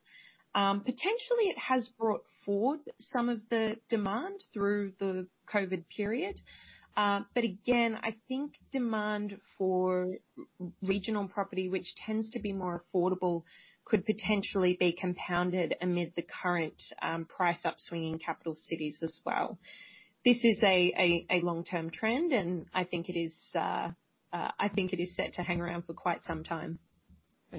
Potentially, it has brought forward some of the demand through the COVID period. Again, I think demand for regional property, which tends to be more affordable, could potentially be compounded amid the current price upswing in capital cities as well. This is a long-term trend, and I think it is set to hang around for quite some time.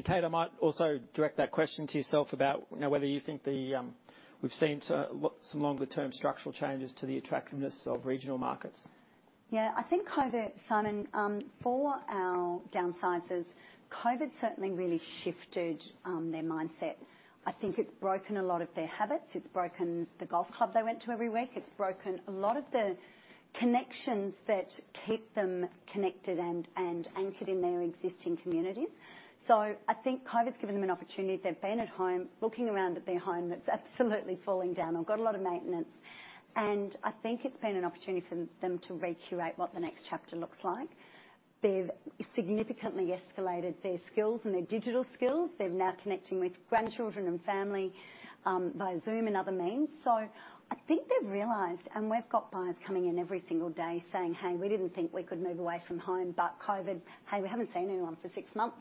Kate, I might also direct that question to yourself about whether you think we've seen some longer term structural changes to the attractiveness of regional markets. Yeah, I think COVID, Simon, for our downsizers, COVID certainly really shifted their mindset. I think it's broken a lot of their habits. It's broken the golf club they went to every week. It's broken a lot of the connections that keep them connected and anchored in their existing communities. I think COVID's given them an opportunity. They've been at home, looking around at their home that's absolutely falling down or got a lot of maintenance. I think it's been an opportunity for them to recurate what the next chapter looks like. They've significantly escalated their skills and their digital skills. They're now connecting with grandchildren and family via Zoom and other means. I think they've realized, and we've got buyers coming in every single day saying, "Hey, we didn't think we could move away from home, but COVID. Hey, we haven't seen anyone for six months.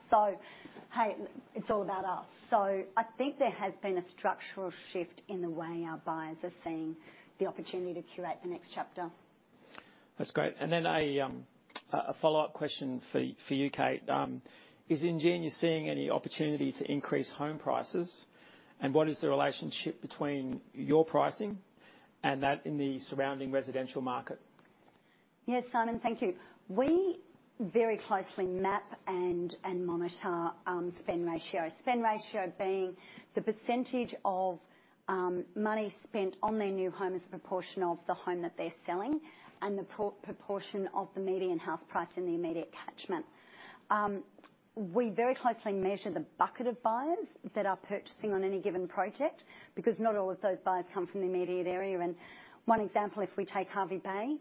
Hey, it's all about us." I think there has been a structural shift in the way our buyers are seeing the opportunity to curate the next chapter. That's great. A follow-up question for you, Kate. Is Ingenia seeing any opportunity to increase home prices? What is the relationship between your pricing and that in the surrounding residential market? Yes, Simon. Thank you. We very closely map and monitor spend ratio. Spend ratio being the percentage of money spent on their new home as a proportion of the home that they're selling and the proportion of the median house price in the immediate catchment. We very closely measure the bucket of buyers that are purchasing on any given project because not all of those buyers come from the immediate area. One example, if we take Hervey Bay,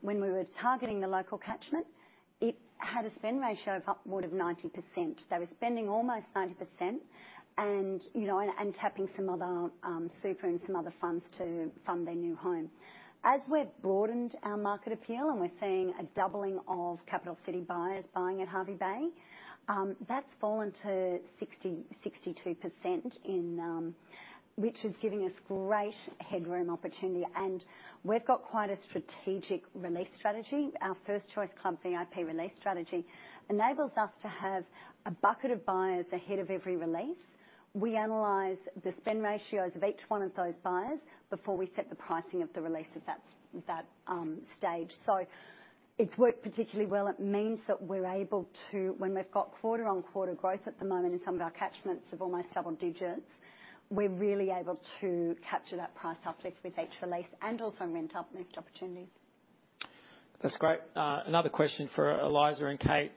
when we were targeting the local catchment, it had a spend ratio of upward of 90%. They were spending almost 90% and tapping some other super and some other funds to fund their new home. As we've broadened our market appeal, and we're seeing a doubling of capital city buyers buying at Hervey Bay, that's fallen to 62%, which is giving us great headroom opportunity. We've got quite a strategic release strategy. Our First Choice Club VIP release strategy enables us to have a bucket of buyers ahead of every release. We analyze the spend ratios of each one of those buyers before we set the pricing of the release at that stage. It's worked particularly well. It means that we're able to, when we've got quarter-on-quarter growth at the moment in some of our catchments of almost double digits, we're really able to capture that price uplift with each release and also rent uplift opportunities. That's great. Another question for Eliza and Kate.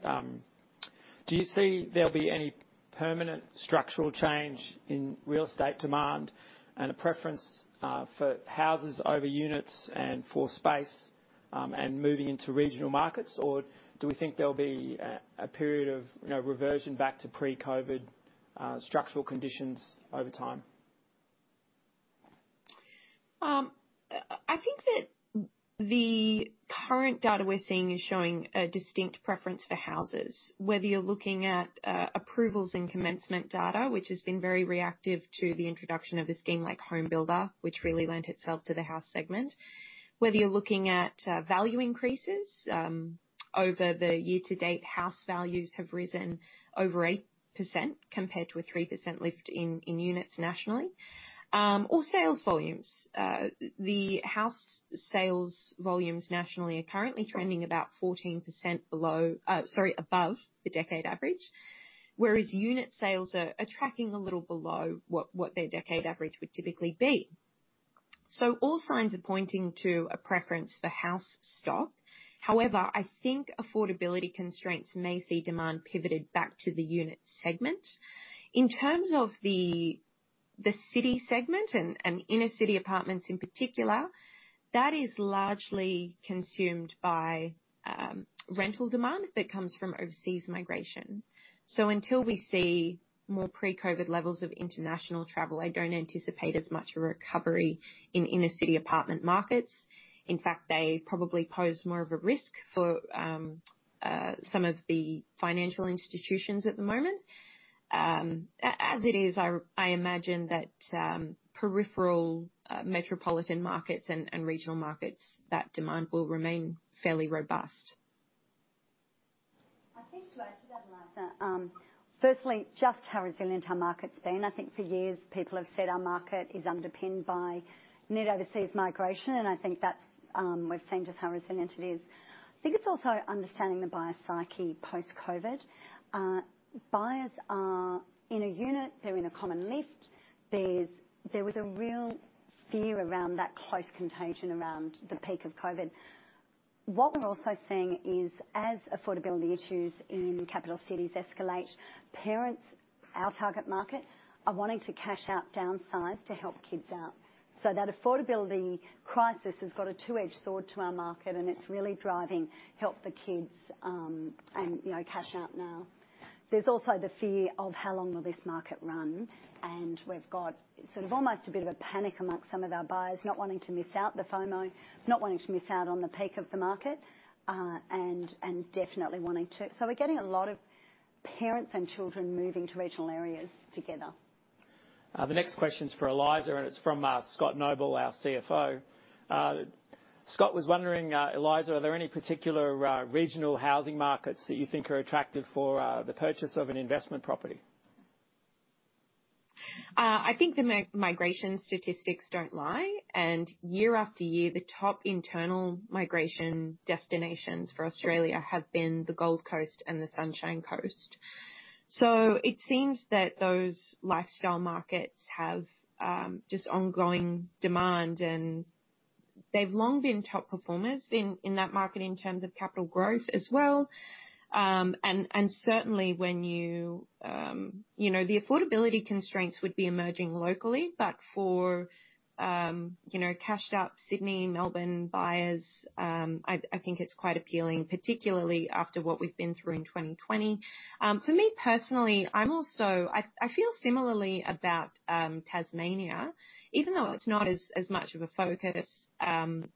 Do you see there'll be any permanent structural change in real estate demand and a preference for houses over units and for space, and moving into regional markets? Or do we think there'll be a period of reversion back to pre-COVID structural conditions over time? I think that the current data we're seeing is showing a distinct preference for houses. Whether you're looking at approvals and commencement data, which has been very reactive to the introduction of a scheme like HomeBuilder, which really lent itself to the house segment. Whether you're looking at value increases, over the year-to-date, house values have risen over 8% compared to a 3% lift in units nationally. Sales volumes. The house sales volumes nationally are currently trending about 14% below, sorry, above the decade average, whereas unit sales are tracking a little below what their decade average would typically be. All signs are pointing to a preference for house stock. However, I think affordability constraints may see demand pivoted back to the unit segment. In terms of the city segment and inner-city apartments in particular, that is largely consumed by rental demand that comes from overseas migration. Until we see more pre-COVID levels of international travel, I don't anticipate as much recovery in inner-city apartment markets. In fact, they probably pose more of a risk for some of the financial institutions at the moment. As it is, I imagine that peripheral metropolitan markets and regional markets, that demand will remain fairly robust. I think to add to that, Eliza, firstly, just how resilient our market's been. I think for years people have said our market is underpinned by net overseas migration, and I think we've seen just how resilient it is. I think it's also understanding the buyer psyche post-COVID. Buyers are in a unit, they're in a common lift. There was a real fear around that close contagion around the peak of COVID. What we're also seeing is as affordability issues in capital cities escalate, parents, our target market, are wanting to cash out, downsize to help kids out. That affordability crisis has got a two-edged sword to our market, and it's really driving help the kids and cash out now. There's also the fear of how long will this market run. We've got sort of almost a bit of a panic amongst some of our buyers, not wanting to miss out the FOMO, not wanting to miss out on the peak of the market. We're getting a lot of parents and children moving to regional areas together. The next question is for Eliza Owen. It's from Scott Noble, our CFO. Scott was wondering, Eliza Owen, are there any particular regional housing markets that you think are attractive for the purchase of an investment property? I think the migration statistics don't lie, year after year, the top internal migration destinations for Australia have been the Gold Coast and the Sunshine Coast. It seems that those lifestyle markets have just ongoing demand, and they've long been top performers in that market in terms of capital growth as well. Certainly, the affordability constraints would be emerging locally. For cashed-up Sydney, Melbourne buyers, I think it's quite appealing, particularly after what we've been through in 2020. For me, personally, I feel similarly about Tasmania, even though it's not as much of a focus, and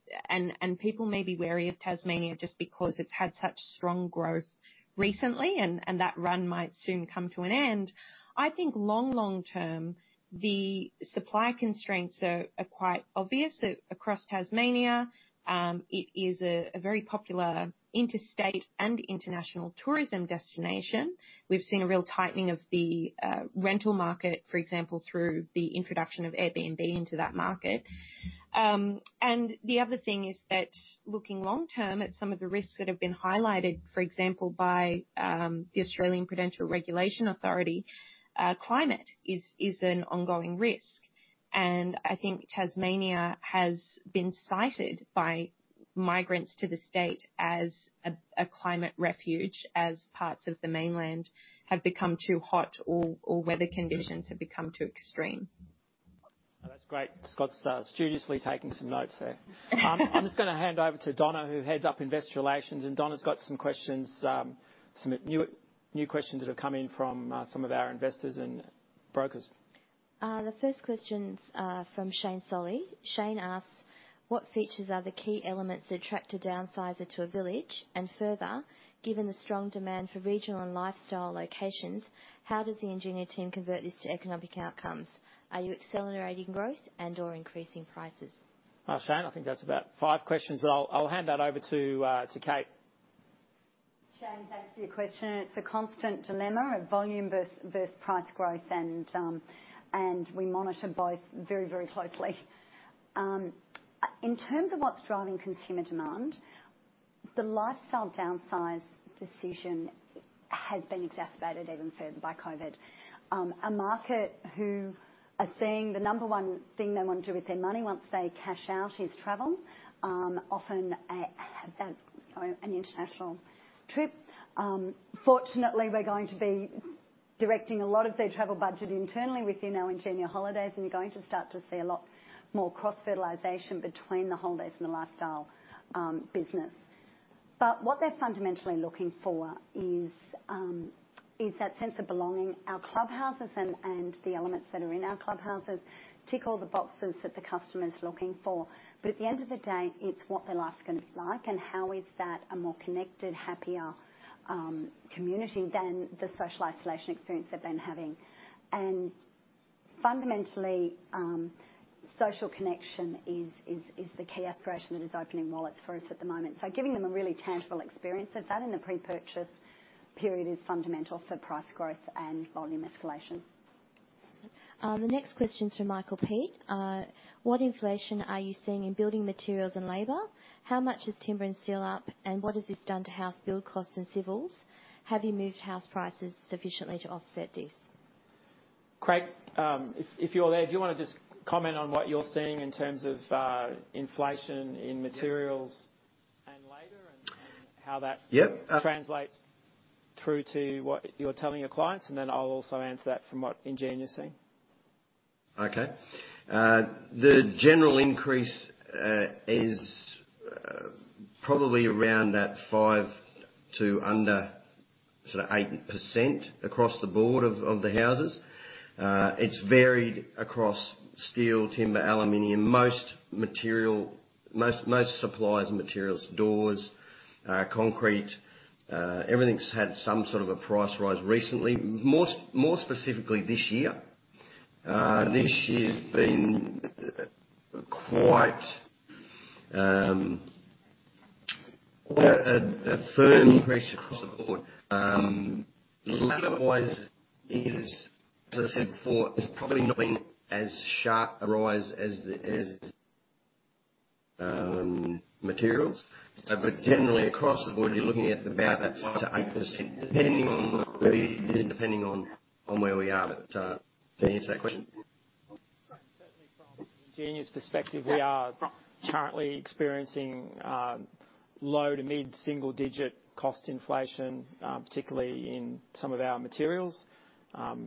people may be wary of Tasmania just because it's had such strong growth recently, and that run might soon come to an end. I think long-term, the supply constraints are quite obvious across Tasmania. It is a very popular interstate and international tourism destination. We've seen a real tightening of the rental market, for example, through the introduction of Airbnb into that market. The other thing is that looking long-term at some of the risks that have been highlighted, for example, by the Australian Prudential Regulation Authority, climate is an ongoing risk. I think Tasmania has been cited by migrants to the state as a climate refuge as parts of the mainland have become too hot or weather conditions have become too extreme. That's great. Scott's studiously taking some notes there. I'm just going to hand over to Donna, who heads up Investor Relations. Donna's got some new questions that have come in from some of our investors and brokers. The first question's from Shane Scully. Shane asks, "What features are the key elements that attract a downsizer to a village? Further, given the strong demand for regional and lifestyle locations, how does the Ingenia team convert this to economic outcomes? Are you accelerating growth and/or increasing prices? Shane, I think that's about five questions. I'll hand that over to Kate. Shane, thanks for your question. It's a constant dilemma of volume versus price growth and we monitor both very, very closely. In terms of what's driving consumer demand, the lifestyle downsize decision has been exacerbated even further by COVID-19. A market who are seeing the number one thing they want to do with their money once they cash out is travel, often an international trip. Fortunately, we're going to be directing a lot of their travel budget internally within our Ingenia Holidays, and you're going to start to see a lot more cross-fertilization between the Holidays and the lifestyle business. What they're fundamentally looking for is that sense of belonging. Our clubhouses and the elements that are in our clubhouses tick all the boxes that the customer's looking for. At the end of the day, it's what their life's going to be like and how is that a more connected, happier community than the social isolation experience they've been having. Fundamentally, social connection is the key aspiration that is opening wallets for us at the moment. Giving them a really tangible experience of that in the pre-purchase period is fundamental for price growth and volume escalation. The next question's from Michael Peet. "What inflation are you seeing in building materials and labor? How much is timber and steel up, and what has this done to house build costs and civils? Have you moved house prices sufficiently to offset this? Craig, if you're there, do you want to just comment on what you're seeing in terms of inflation in materials and labor? Yep Translates through to what you're telling your clients, and then I'll also answer that from what Ingenia's seeing. Okay. The general increase is probably around that 5%-8% across the board of the houses. It's varied across steel, timber, aluminum, most supplies, materials, doors, concrete. Everything's had some sort of a price rise recently. More specifically this year. This year's been quite a firm increase across the board. Labor-wise is, as I said before, it's probably not been as sharp a rise as materials. Generally, across the board, you're looking at about that 5%-8%, depending on where we are. Does that answer that question? Certainly from Ingenia's perspective, we are currently experiencing low to mid-single digit cost inflation, particularly in some of our materials.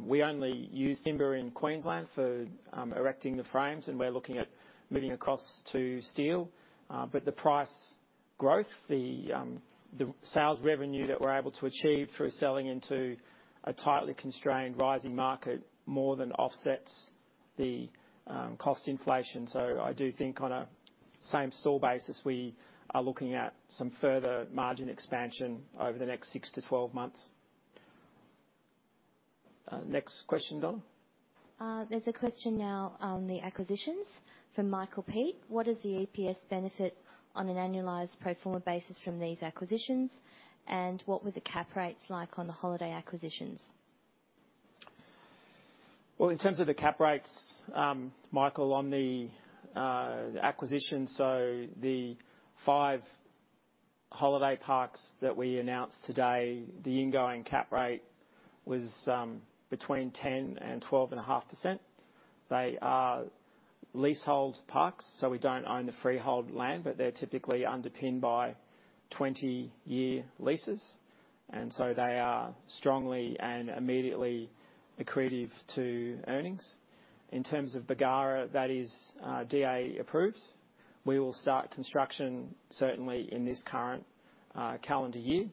We only use timber in Queensland for erecting the frames, and we're looking at moving across to steel. The price growth, the sales revenue that we're able to achieve through selling into a tightly constrained rising market, more than offsets the cost inflation. I do think on a same-store basis, we are looking at some further margin expansion over the next six to 12 months. Next question, Donna. There's a question now on the acquisitions from Michael Peet. "What is the EPS benefit on an annualized pro forma basis from these acquisitions? What were the cap rates like on the holiday acquisitions? In terms of the cap rates, Michael, on the acquisition, so the five holiday parks that we announced today, the ingoing cap rate was between 10% and 12.5%. They are leasehold parks, so we don't own the freehold land, but they're typically underpinned by 20-year leases. They are strongly and immediately accretive to earnings. In terms of Bargara, that is DA approved. We will start construction certainly in this current calendar year,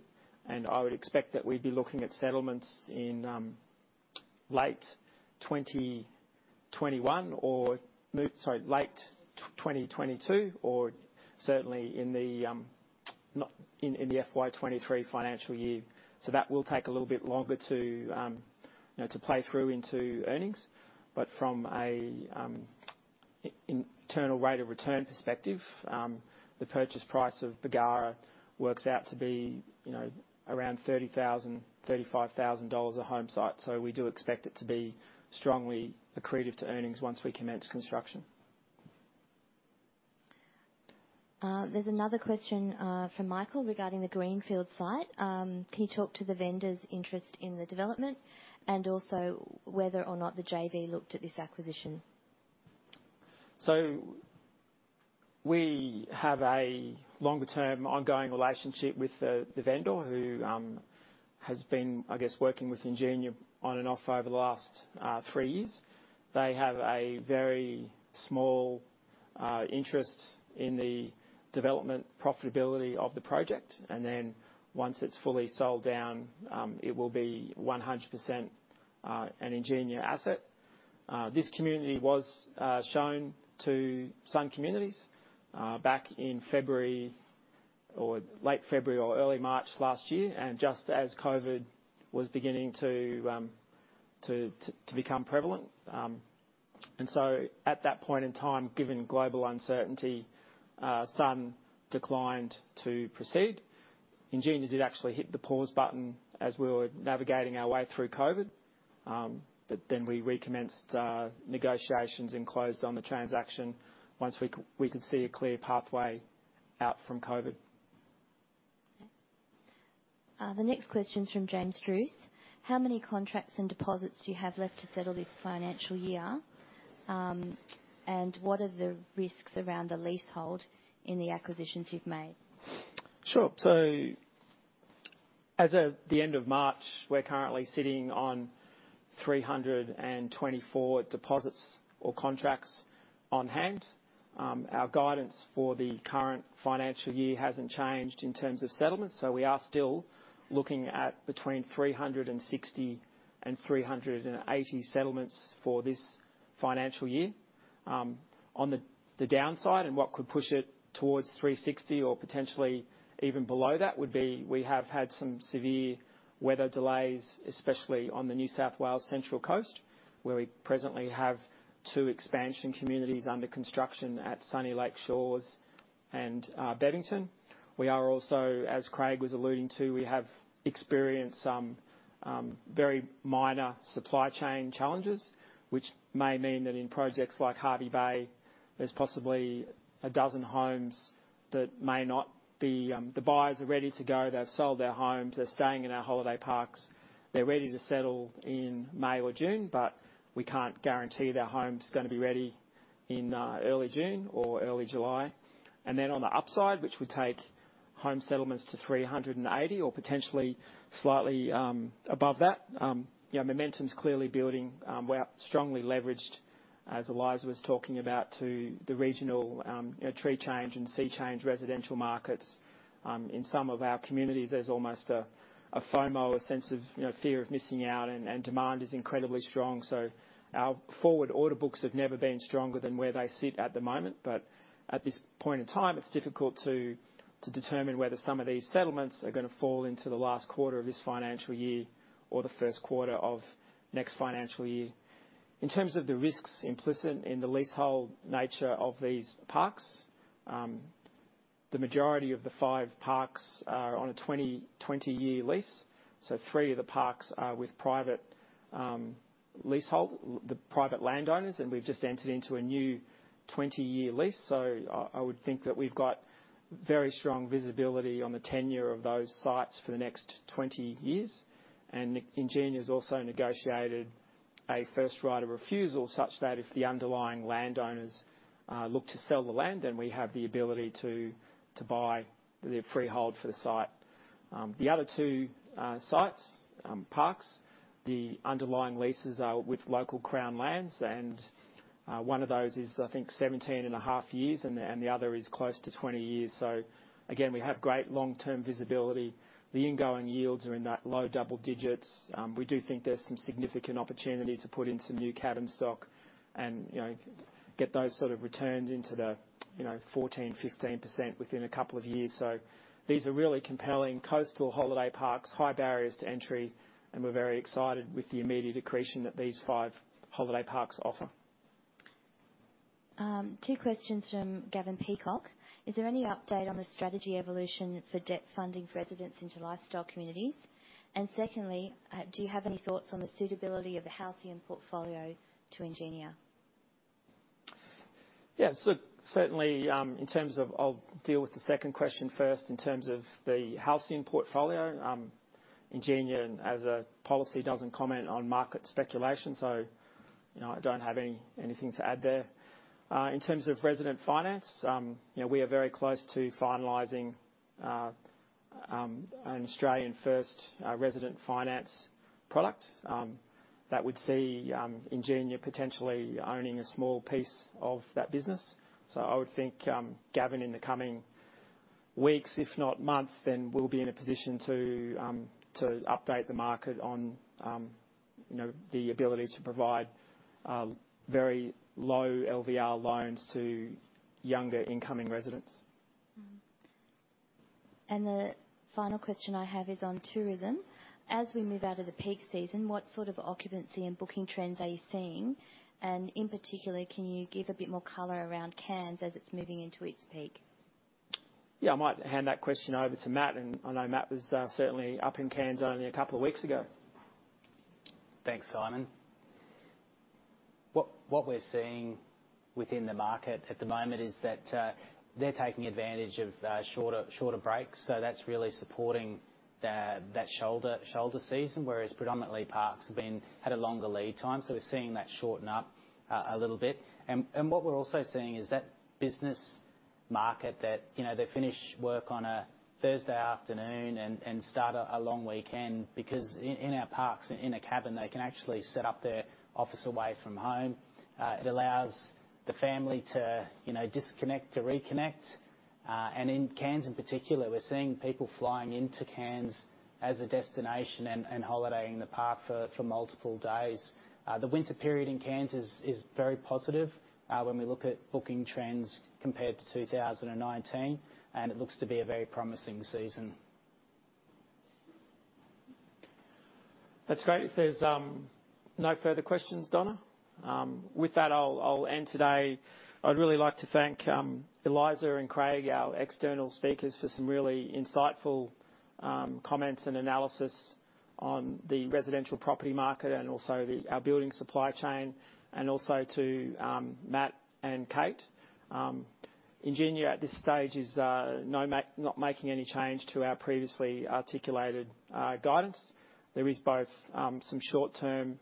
and I would expect that we'd be looking at settlements in late 2021 or late 2022, or certainly in the FY23 financial year. That will take a little bit longer to play through into earnings. From an internal rate of return perspective, the purchase price of Bargara works out to be around 30,000, 35,000 dollars a home site. We do expect it to be strongly accretive to earnings once we commence construction. There's another question from Michael regarding the Greenfield site. Can you talk to the vendor's interest in the development and also whether or not the JV looked at this acquisition? We have a longer-term ongoing relationship with the vendor who has been, I guess, working with Ingenia on and off over the last three years. They have a very small interest in the development profitability of the project, and then once it's fully sold down, it will be 100% an Ingenia asset. This community was shown to Sun Communities back in February or late February or early March last year, just as COVID was beginning to become prevalent. At that point in time, given global uncertainty, Sun declined to proceed. Ingenia did actually hit the pause button as we were navigating our way through COVID, we recommenced negotiations and closed on the transaction once we could see a clear pathway out from COVID. Okay. The next question is from James Bruce. How many contracts and deposits do you have left to settle this financial year? What are the risks around the leasehold in the acquisitions you've made? Sure. As of the end of March, we're currently sitting on 324 deposits or contracts on hand. Our guidance for the current financial year hasn't changed in terms of settlements, we are still looking at between 360 and 380 settlements for this financial year. On the downside and what could push it towards 360 or potentially even below that would be, we have had some severe weather delays, especially on the New South Wales Central Coast, where we presently have two expansion communities under construction at Sunnylake Shores and Bevington Shores. We are also, as Craig was alluding to, we have experienced some very minor supply chain challenges, which may mean that in projects like Hervey Bay, there's possibly 12 homes. The buyers are ready to go. They've sold their homes. They're staying in our holiday parks. They're ready to settle in May or June, but we can't guarantee their home's going to be ready in early June or early July. On the upside, which would take home settlements to 380 or potentially slightly above that, momentum's clearly building. We are strongly leveraged, as Eliza was talking about, to the regional tree change and sea change residential markets. In some of our communities, there's almost a FOMO, a sense of fear of missing out and demand is incredibly strong. Our forward order books have never been stronger than where they sit at the moment. At this point in time, it's difficult to determine whether some of these settlements are going to fall into the last quarter of this financial year or the first quarter of next financial year. In terms of the risks implicit in the leasehold nature of these parks, the majority of the five parks are on a 20-year lease. Three of the parks are with private leasehold, the private landowners, and we've just entered into a new 20-year lease. I would think that we've got very strong visibility on the tenure of those sites for the next 20 years. Ingenia's also negotiated a first right of refusal such that if the underlying landowners look to sell the land, then we have the ability to buy the freehold for the site. The other two sites, parks, the underlying leases are with local Crown lands, and one of those is, I think, 17 and a half years, and the other is close to 20 years. Again, we have great long-term visibility. The ingoing yields are in that low double digits. We do think there's some significant opportunity to put in some new cabin stock and get those sort of returns into the 14%-15% within a couple of years. These are really compelling coastal holiday parks, high barriers to entry, and we're very excited with the immediate accretion that these five holiday parks offer. Two questions from Gavin Peacock. Is there any update on the strategy evolution for debt funding for residents into lifestyle communities? Secondly, do you have any thoughts on the suitability of the Halcyon portfolio to Ingenia? Yes. Certainly, I'll deal with the second question first in terms of the Halcyon portfolio. Ingenia, as a policy, doesn't comment on market speculation, so I don't have anything to add there. In terms of resident finance, we are very close to finalizing an Australian first resident finance product that would see Ingenia potentially owning a small piece of that business. I would think, Gavin, in the coming weeks, if not months, then we'll be in a position to update the market on the ability to provide very low LVR loans to younger incoming residents. The final question I have is on tourism. As we move out of the peak season, what sort of occupancy and booking trends are you seeing? In particular, can you give a bit more color around Cairns as it's moving into its peak? Yeah. I might hand that question over to Matt. I know Matt was certainly up in Cairns only a couple of weeks ago. Thanks, Simon. What we're seeing within the market at the moment is that they're taking advantage of shorter breaks. That's really supporting that shoulder season. Whereas predominantly parks have had a longer lead time, so we're seeing that shorten up a little bit. What we're also seeing is that business market that they finish work on a Thursday afternoon and start a long weekend, because in our parks, in a cabin, they can actually set up their office away from home. It allows the family to disconnect to reconnect. In Cairns in particular, we're seeing people flying into Cairns as a destination and holidaying in the park for multiple days. The winter period in Cairns is very positive when we look at booking trends compared to 2019, and it looks to be a very promising season. That's great. If there's no further questions, Donna. With that, I'll end today. I'd really like to thank Eliza and Craig, our external speakers, for some really insightful comments and analysis on the residential property market and also our building supply chain. Also to Matt and Kate. Ingenia, at this stage, is not making any change to our previously articulated guidance. There is both some short-term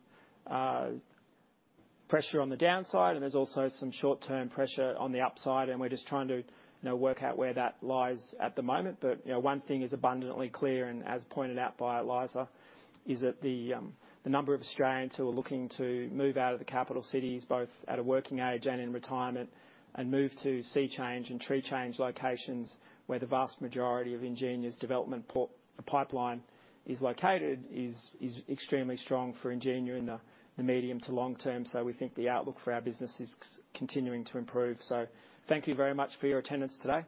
pressure on the downside, and there's also some short-term pressure on the upside, and we're just trying to work out where that lies at the moment. One thing is abundantly clear, and as pointed out by Eliza, is that the number of Australians who are looking to move out of the capital cities, both at a working age and in retirement, and move to sea change and tree change locations, where the vast majority of Ingenia's development pipeline is located, is extremely strong for Ingenia in the medium to long term. We think the outlook for our business is continuing to improve. Thank you very much for your attendance today.